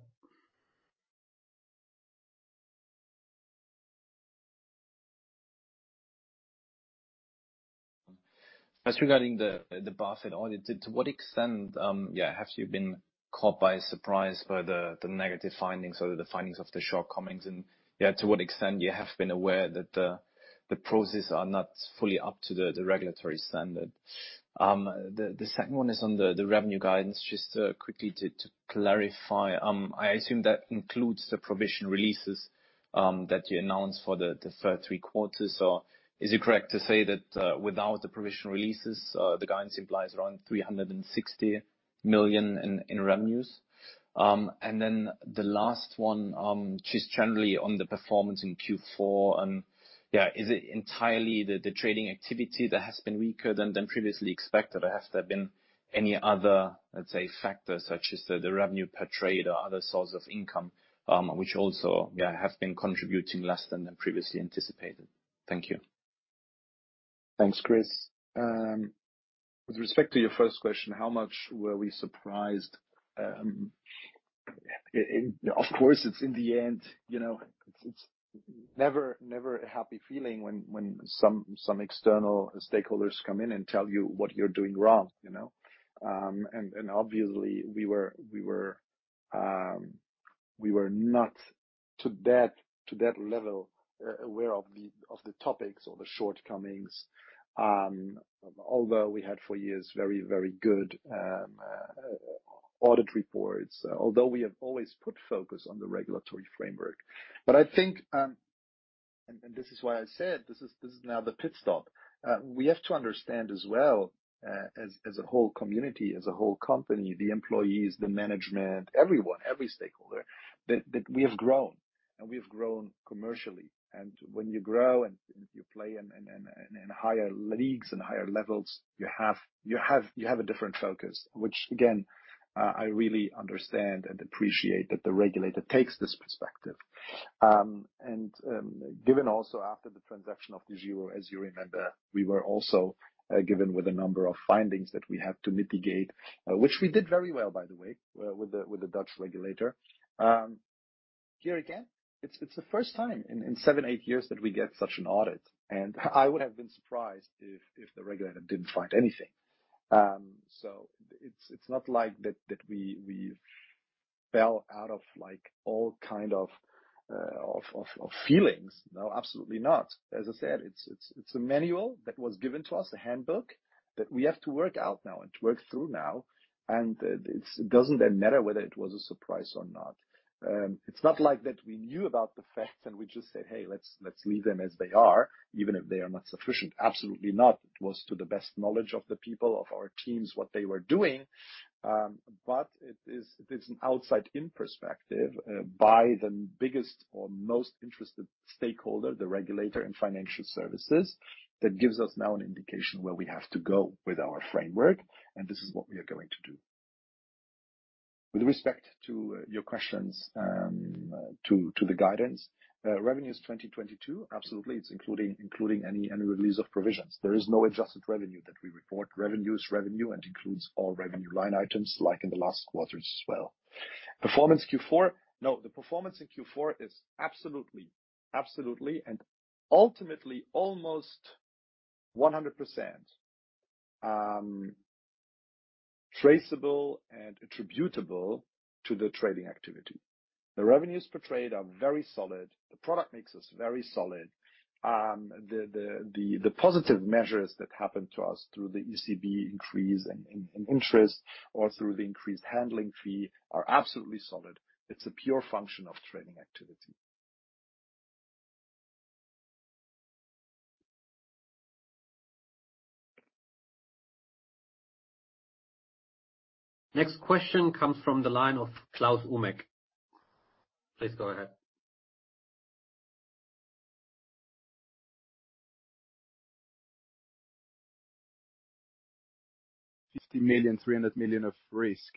As regarding the BaFin audit, to what extent, yeah, have you been caught by surprise by the negative findings or the findings of the shortcomings? Yeah, to what extent you have been aware that the process are not fully up to the regulatory standard? The, the second one is on the revenue guidance. Just quickly to clarify, I assume that includes the provision releases, that you announced for the 3rd three quarters, or is it correct to say that, without the provision releases, the guidance implies around 360 million in revenues? Then the last one, just generally on the performance in Q4, yeah, is it entirely the trading activity that has been weaker than previously expected? Has there been any other, let's say, factors such as the revenue per trade or other source of income, which also, yeah, have been contributing less than previously anticipated? Thank you. Thanks, Chris. With respect to your first question, how much were we surprised? Of course, it's in the end, you know, it's never a happy feeling when some external stakeholders come in and tell you what you're doing wrong, you know? Obviously, we were not to that level aware of the topics or the shortcomings. Although we had for years very, very good audit reports. Although we have always put focus on the regulatory framework. I think, this is why I said this is now the pit stop. We have to understand as well, as a whole community, as a whole company, the employees, the management, everyone, every stakeholder, that we have grown, and we have grown commercially. When you grow and you play in higher leagues and higher levels, you have a different focus. Which again, I really understand and appreciate that the regulator takes this perspective. Given also after the transaction of DEGIRO, as you remember, we were also given with a number of findings that we had to mitigate, which we did very well, by the way, with the Dutch regulator. Here again, it's the first time in seven, eight years that we get such an audit. I would have been surprised if the regulator didn't find anything. It's not like that we fell out of like, all kind of feelings. No, absolutely not. It's a manual that was given to us, a handbook that we have to work out now and work through now, it's doesn't then matter whether it was a surprise or not. It's not like that we knew about the facts, we just said, "Hey, let's leave them as they are, even if they are not sufficient." Absolutely not. It was to the best knowledge of the people, of our teams, what they were doing. It's an outside-in perspective by the biggest or most interested stakeholder, the regulator in financial services, that gives us now an indication where we have to go with our framework, this is what we are going to do. With respect to your questions, to the guidance, revenues 2022, absolutely, it's including any release of provisions. There is no adjusted revenue that we report. Revenue is revenue and includes all revenue line items like in the last quarters as well. Performance Q4. No, the performance in Q4 is absolutely and ultimately almost 100% traceable and attributable to the trading activity. The revenues per trade are very solid. The product mix is very solid. The positive measures that happened to us through the ECB increase in interest or through the increased handling fee are absolutely solid. It's a pure function of trading activity. Next question comes from the line of Klaus Umek. Please go ahead. 50 million, 300 million of risk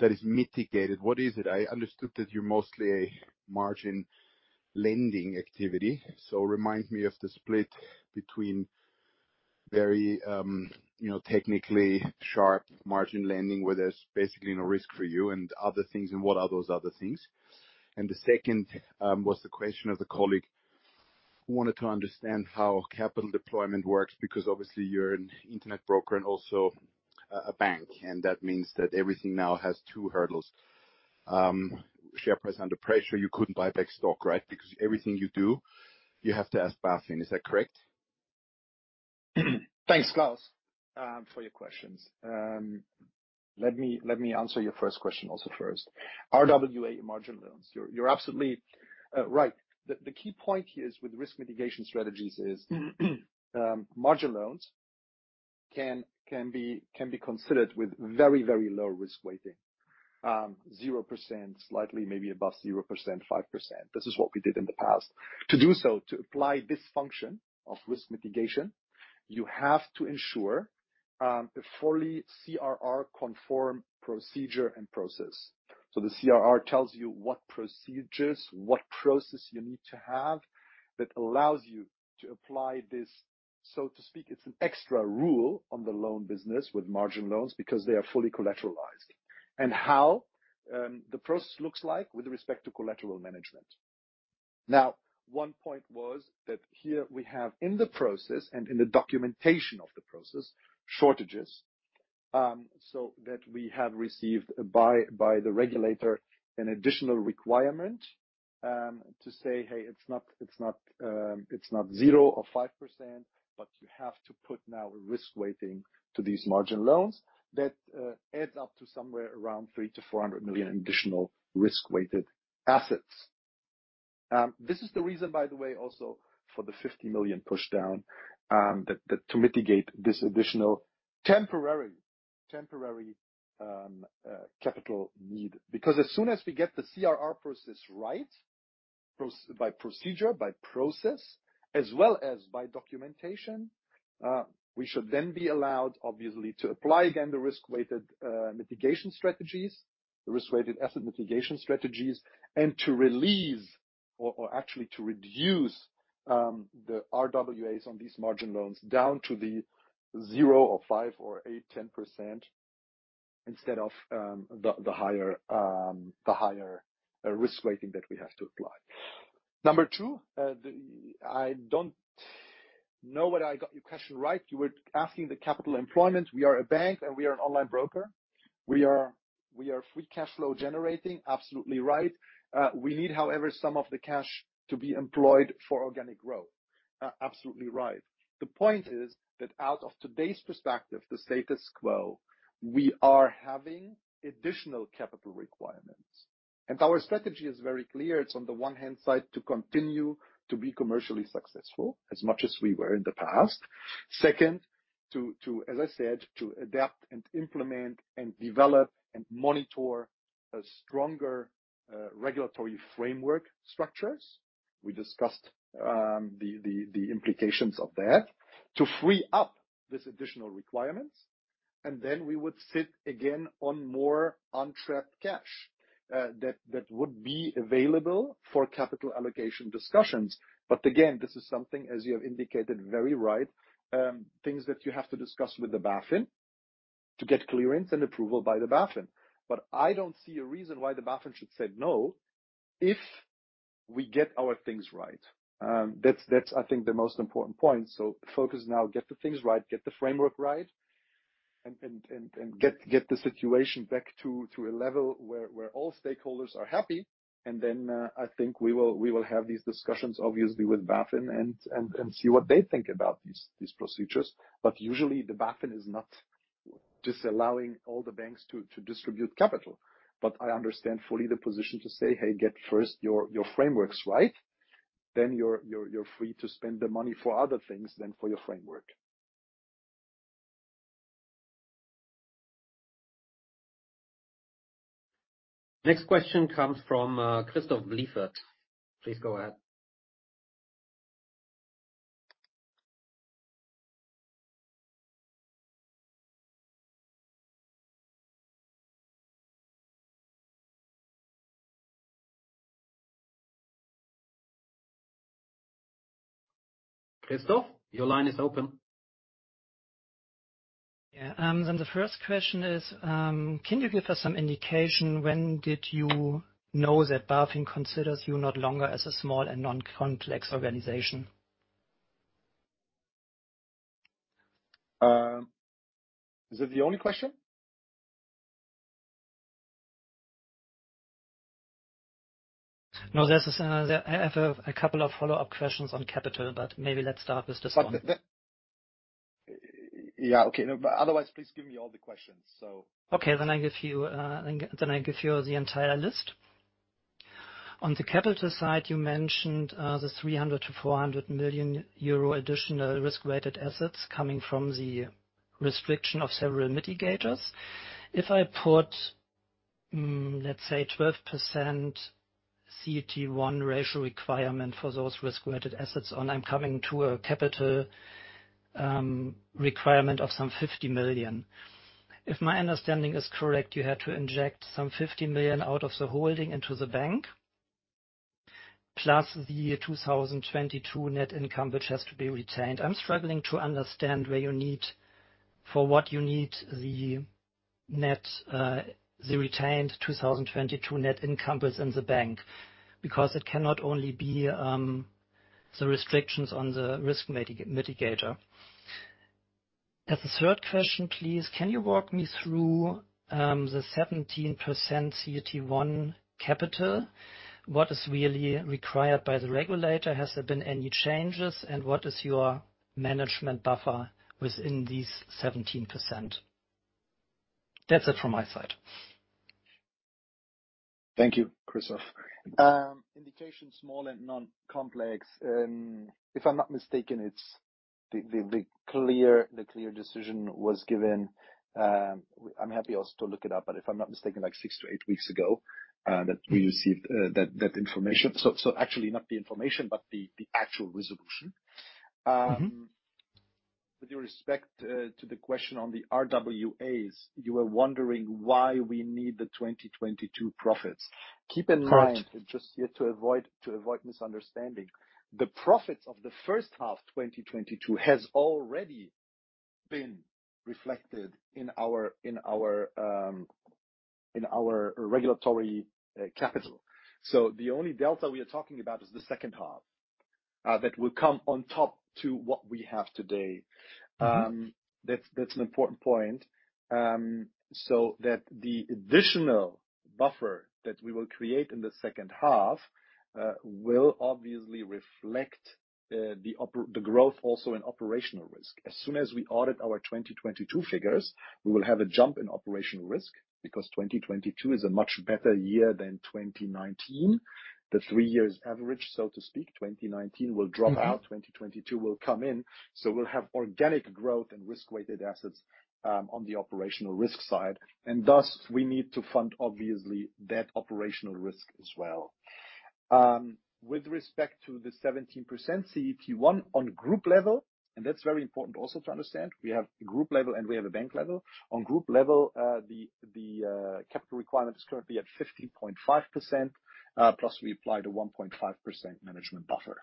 that is mitigated. What is it? I understood that you're mostly a margin lending activity, so remind me of the split between very, you know, technically sharp margin lending, where there's basically no risk for you and other things, and what are those other things? The second was the question of the colleague who wanted to understand how capital deployment works, because obviously you're an Internet broker and also a bank, and that means that everything now has two hurdles. Share price under pressure. You couldn't buy back stock, right? Everything you do, you have to ask BaFin. Is that correct? Thanks, Klaus, for your questions. Let me answer your first question also first. RWA margin loans. You're absolutely right. The key point here is with risk mitigation strategies is margin loans can be considered with very, very low risk weighting. 0%, slightly, maybe above 0%, 5%. This is what we did in the past. To do so, to apply this function of risk mitigation, you have to ensure a fully CRR-conform procedure and process. The CRR tells you what procedures, what process you need to have that allows you to apply this, so to speak. It's an extra rule on the loan business with margin loans because they are fully collateralized and how the process looks like with respect to collateral management. One point was that here we have in the process and in the documentation of the process, shortages, that we have received by the regulator an additional requirement, to say, "Hey, it's not 0% or 5%, but you have to put now a risk weighting to these margin loans that adds up to somewhere around 300 million-400 million additional risk-weighted assets." This is the reason, by the way, also for the 50 million push down, that to mitigate this additional temporary capital need. As soon as we get the CRR process right, by procedure, by process, as well as by documentation, we should then be allowed, obviously, to apply again the risk-weighted mitigation strategies, the risk-weighted asset mitigation strategies, and to release or actually to reduce the RWAs on these margin loans down to the 0% or 5% or 8%, 10% instead of the higher risk weighting that we have to apply. Number two, I don't know whether I got your question right. You were asking the capital employment. We are a bank, and we are an online broker. We are free cash flow generating, absolutely right. We need, however, some of the cash to be employed for organic growth. Absolutely right. The point is that out of today's perspective, the status quo, we are having additional capital requirements. Our strategy is very clear. It's on the one-hand side to continue to be commercially successful as much as we were in the past. Second, to, as I said, to adapt and implement and develop and monitor a stronger regulatory framework structures. We discussed the implications of that to free up these additional requirements, and then we would sit again on more untrapped cash that would be available for capital allocation discussions. Again, this is something, as you have indicated, very right, things that you have to discuss with the BaFin to get clearance and approval by the BaFin. I don't see a reason why the BaFin should say no if we get our things right. That's I think the most important point. Focus now, get the things right, get the framework right, and get the situation back to a level where all stakeholders are happy. Then I think we will have these discussions, obviously with BaFin and see what they think about these procedures. Usually the BaFin is not disallowing all the banks to distribute capital. I understand fully the position to say, "Hey, get first your frameworks right, then you're free to spend the money for other things than for your framework. Next question comes from Christoph Blieffert. Please go ahead. Christoph, your line is open. Yeah. The first question is, can you give us some indication when did you know that BaFin considers you no longer as a Small and Non-Complex Institution? Is that the only question? I have a couple of follow-up questions on capital, but maybe let's start with this one. Yeah. Okay. No, otherwise, please give me all the questions. Okay. I give you the entire list. On the capital side, you mentioned the 300 million-400 million euro additional risk-weighted assets coming from the restriction of several mitigators. If let's say 12% CET1 ratio requirement for those risk-weighted assets, and I'm coming to a capital requirement of some 50 million. If my understanding is correct, you had to inject some 50 million out of the holding into the bank, plus the 2022 net income, which has to be retained. I'm struggling to understand for what you need the net, the retained 2022 net income within the bank, because it cannot only be the restrictions on the risk mitigator. As a third question, please, can you walk me through the 17% CET1 capital? What is really required by the regulator? Has there been any changes, and what is your management buffer within these 17%? That's it from my side. Thank you, Christoph. Indication Small and Non-Complex, if I'm not mistaken, it's the clear decision was given, I'm happy also to look it up, but if I'm not mistaken, like six to eight weeks ago, that we received that information. Actually not the information, but the actual resolution. Mm-hmm. With respect, to the question on the RWAs, you were wondering why we need the 2022 profits. Keep in mind- Correct. Just here to avoid misunderstanding, the profits of the first half 2022 has already been reflected in our regulatory capital. The only delta we are talking about is the second half that will come on top to what we have today. That's an important point. The additional buffer that we will create in the second half will obviously reflect the growth also in operational risk. As soon as we audit our 2022 figures, we will have a jump in operational risk because 2022 is a much better year than 2019. The three years average, so to speak, 2019 will drop out, 2022 will come in. We'll have organic growth and risk-weighted assets on the operational risk side, and thus we need to fund obviously that operational risk as well. With respect to the 17% CET1 on group level, and that's very important also to understand, we have group level and we have a bank level. On group level, the capital requirement is currently at 15.5%, plus we apply the 1.5% management buffer.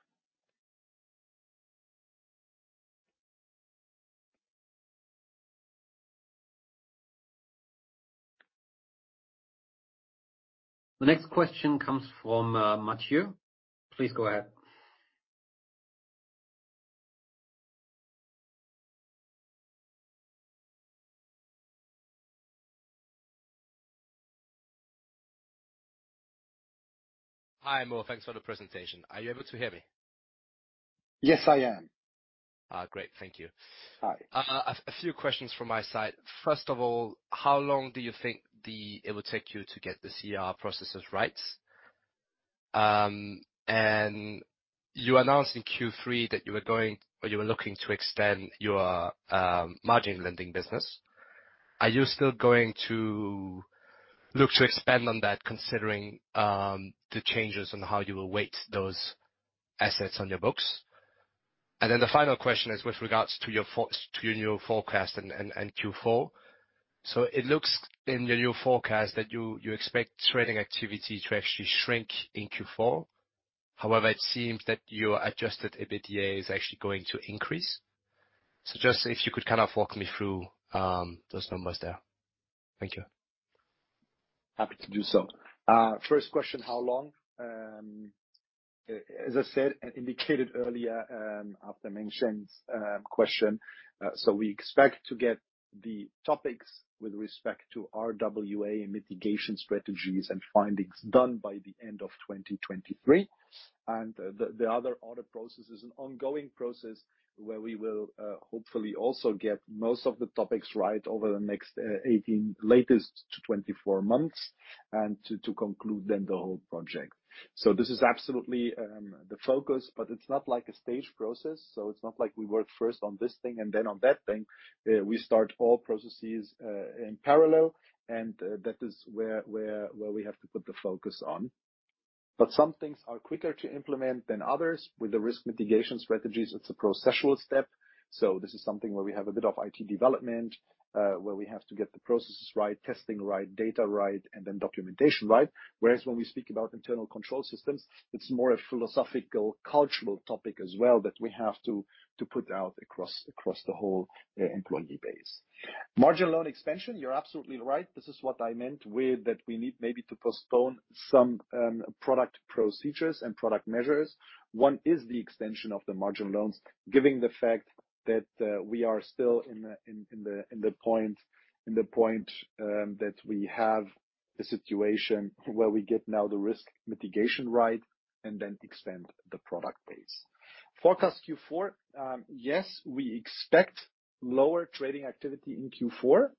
The next question comes from, Mathieu. Please go ahead. Hi, Mo. Thanks for the presentation. Are you able to hear me? Yes, I am. Great. Thank you. Hi. A few questions from my side. First of all, how long do you think it will take you to get the CR processes right? You announced in Q3 that you were looking to extend your margin lending business. Are you still going to look to expand on that considering the changes on how you will weight those assets on your books? The final question is with regards to your to your new forecast and Q4. It looks in your new forecast that you expect trading activity to actually shrink in Q4. It seems that your adjusted EBITDA is actually going to increase. Just if you could kind of walk me through those numbers there. Thank you. Happy to do so. First question, how long? As I said and indicated earlier, after Hemmelmann's question, we expect to get the topics with respect to RWA and mitigation strategies and findings done by the end of 2023. The other audit process is an ongoing process where we will hopefully also get most of the topics right over the next 18, latest to 24 months, and to conclude then the whole project. This is absolutely the focus, but it's not like a stage process, so it's not like we work first on this thing and then on that thing. We start all processes in parallel, and that is where we have to put the focus on. Some things are quicker to implement than others. With the risk mitigation strategies, it's a processual step. This is something where we have a bit of IT development, where we have to get the processes right, testing right, data right, and then documentation right. When we speak about internal control systems, it's more a philosophical, cultural topic as well that we have to put out across the whole employee base. Margin loan expansion, you're absolutely right. This is what I meant with that we need maybe to postpone some product procedures and product measures. One is the extension of the margin loans, giving the fact that we are still in the point that we have the situation where we get now the risk mitigation right and then extend the product base. Forecast Q4, yes, we expect lower trading activity in Q4,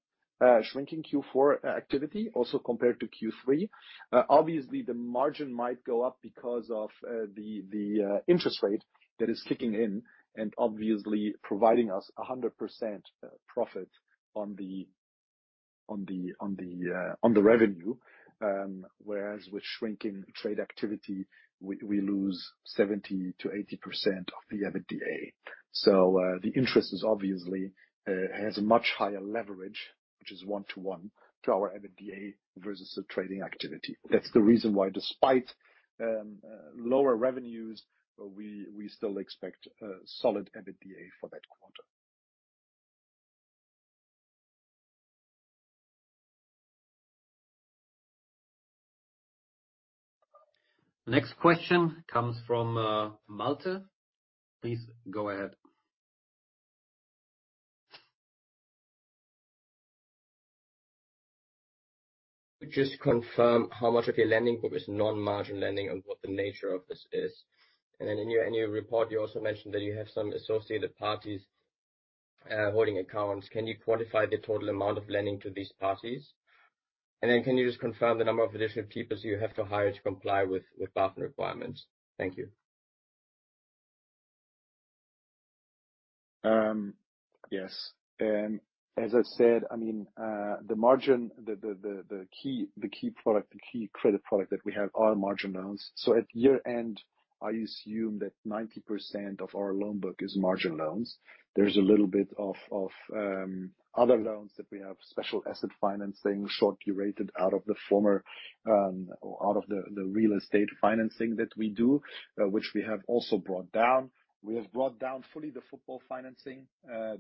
shrinking Q4 activity also compared to Q3. Obviously the margin might go up because of the interest rate that is kicking in and obviously providing us a 100% profit on the revenue, whereas with shrinking trade activity, we lose 70%-80% of the EBITDA. The interest is obviously has a much higher leverage, which is 1-to-1 to our EBITDA versus the trading activity. That's the reason why despite lower revenues, we still expect a solid EBITDA for that quarter. Next question comes from Malte Räther. Please go ahead. Just to confirm how much of your lending was non-margin lending and what the nature of this is? In your annual report, you also mentioned that you have some associated parties holding accounts. Can you quantify the total amount of lending to these parties? Can you just confirm the number of additional keepers you have to hire to comply with BaFin requirements? Thank you. Yes. As I said, I mean, the margin, the key product, the key credit product that we have are margin loans. At year-end, I assume that 90% of our loan book is margin loans. There's a little bit of other loans that we have, special asset financing, shortly rated out of the former, or out of the real estate financing that we do, which we have also brought down. We have brought down fully the football financing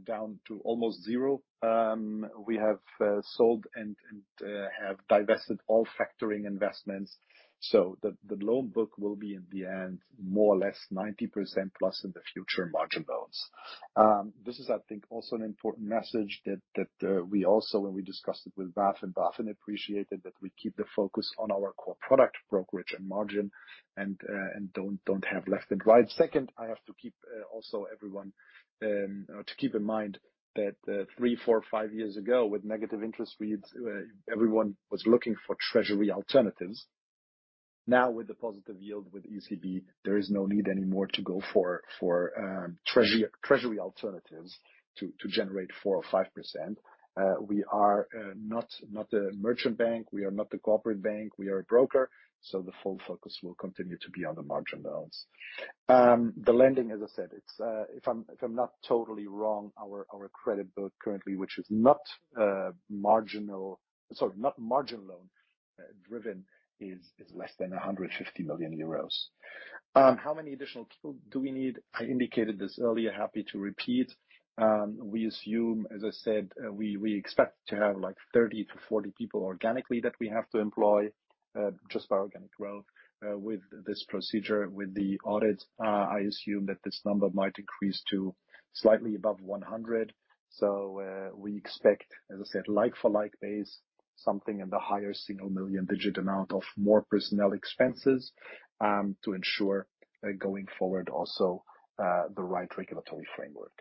down to almost zero. We have sold and have divested all factoring investments. The loan book will be in the end more or less 90%+ in the future margin loans. This is I think also an important message that we also, when we discussed it with BaFin appreciated that we keep the focus on our core product brokerage and margin and don't have left and right. I have to keep also everyone to keep in mind that three, four, five years ago, with negative interest rates, everyone was looking for treasury alternatives. Now with the positive yield with ECB, there is no need anymore to go for treasury alternatives to generate 4% or 5%. We are not a merchant bank. We are not a corporate bank. We are a broker, so the full focus will continue to be on the margin loans. The lending, as I said, it's, if I'm not totally wrong, our credit book currently, which is not margin loan driven, is less than 150 million euros. How many additional people do we need? I indicated this earlier, happy to repeat. We assume, as I said, we expect to have like 30-40 people organically that we have to employ just by organic growth. With this procedure, with the audit, I assume that this number might increase to slightly above 100. We expect, as I said, like for like base, something in the higher single million digit amount of more personnel expenses to ensure going forward also the right regulatory framework.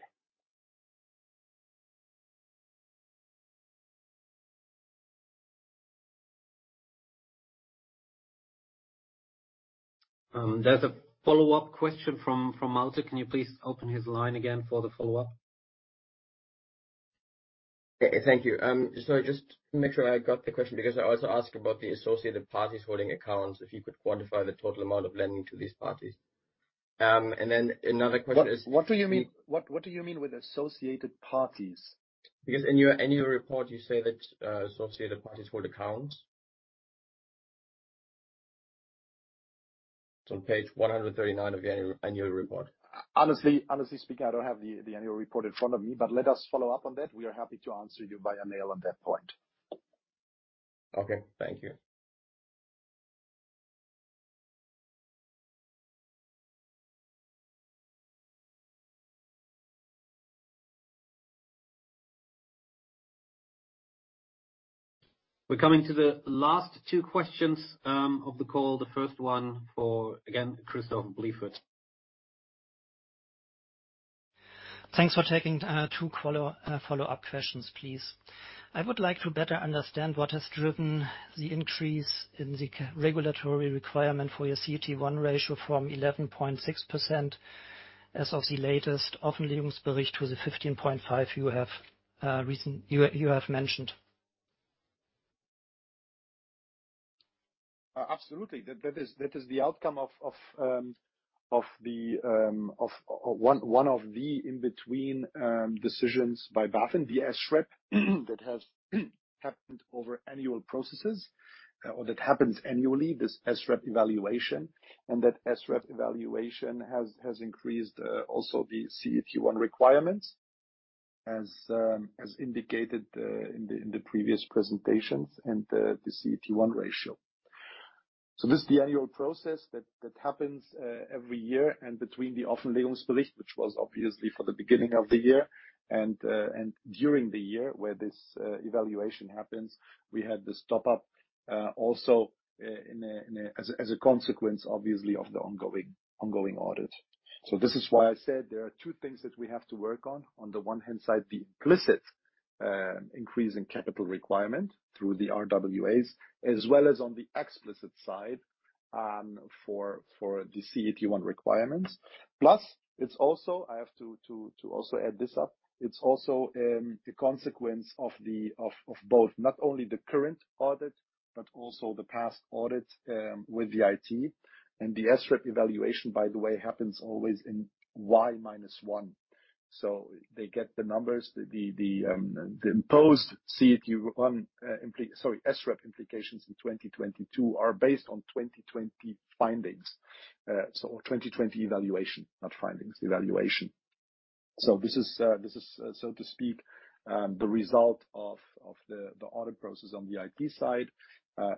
There's a follow-up question from Malte Räther. Can you please open his line again for the follow-up? Thank you. Sorry, just to make sure I got the question because I also asked about the associated parties holding accounts, if you could quantify the total amount of lending to these parties? Another question. What do you mean? What do you mean with associated parties? In your annual report you say that associated parties hold accounts. It's on page 139 of the annual report. Honestly speaking, I don't have the annual report in front of me. Let us follow up on that. We are happy to answer you via mail on that point. Okay. Thank you. We're coming to the last two questions, of the call. The first one for, again, Christoph Blieffert. Thanks for taking two follow-up questions, please. I would like to better understand what has driven the increase in the regulatory requirement for your CET1 ratio from 11.6% as of the latest. Absolutely. That is the outcome of the one of the in-between decisions by BaFin, the SREP that has happened over annual processes or that happens annually, this SREP evaluation. That SREP evaluation has increased also the CET1 requirements as indicated in the previous presentations and the CET1 ratio. This is the annual process that happens every year and between the For the CET1 requirements. Plus, it's also. I have to also add this up. It's also the consequence of both, not only the current audit, but also the past audits with the IT. The SREP evaluation, by the way, happens always in Y minus one. They get the numbers. The imposed CET1, sorry, SREP implications in 2022 are based on 2020 findings. Or 2020 evaluation, not findings, evaluation. This is, so to speak, the result of the audit process on the IT side,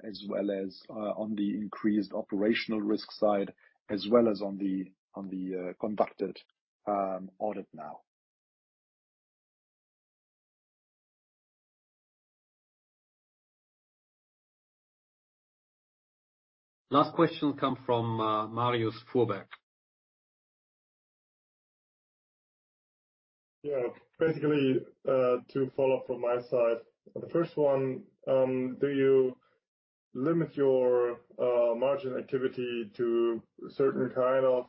as well as on the increased operational risk side, as well as on the conducted audit now. Last question come from Marius Fuhrberg. Yeah. Basically, to follow up from my side. The first one, do you limit your margin activity to a certain kind of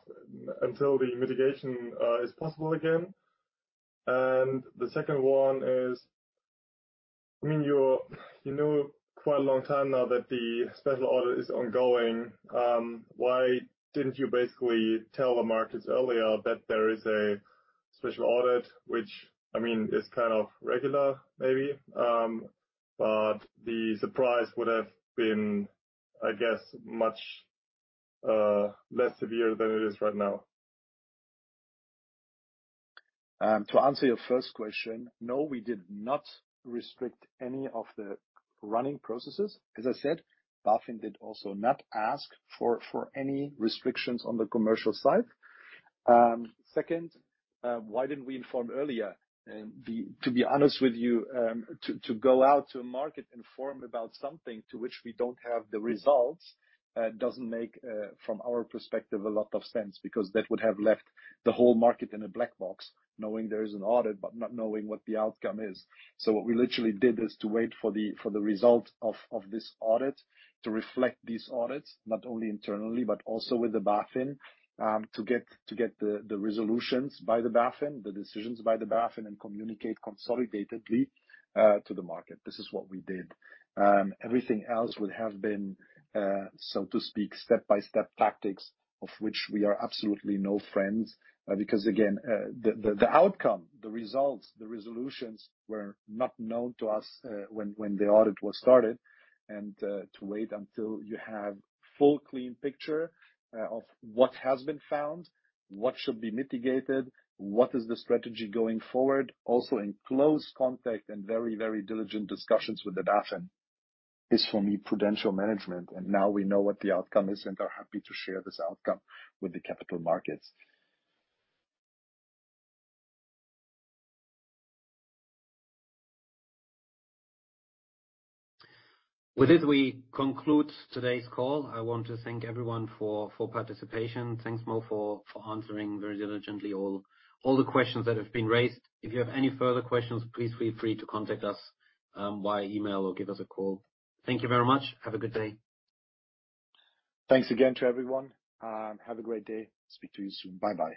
until the mitigation is possible again? The second one is, I mean, you're, you know quite a long time now that the special audit is ongoing, why didn't you basically tell the markets earlier that there is a special audit which, I mean, is kind of regular maybe? The surprise would have been, I guess, much less severe than it is right now. To answer your first question, no, we did not restrict any of the running processes. As I said, BaFin did also not ask for any restrictions on the commercial side. Second, why didn't we inform earlier? To be honest with you, to go out to market, inform about something to which we don't have the results, doesn't make from our perspective a lot of sense, because that would have left the whole market in a black box knowing there is an audit, but not knowing what the outcome is. What we literally did is to wait for the result of this audit to reflect these audits, not only internally but also with the BaFin, to get the resolutions by the BaFin, the decisions by the BaFin, and communicate consolidatedly to the market. This is what we did. Everything else would have been, so to speak, step-by-step tactics of which we are absolutely no friends. Because again, the outcome, the results, the resolutions were not known to us when the audit was started. To wait until you have full clean picture of what has been found, what should be mitigated, what is the strategy going forward, also in close contact and very diligent discussions with the BaFin, is for me, prudential management. Now we know what the outcome is and are happy to share this outcome with the capital markets. With this, we conclude today's call. I want to thank everyone for participation. Thanks Mo for answering very diligently all the questions that have been raised. If you have any further questions, please feel free to contact us via email or give us a call. Thank you very much. Have a good day. Thanks again to everyone. Have a great day. Speak to you soon. Bye-bye.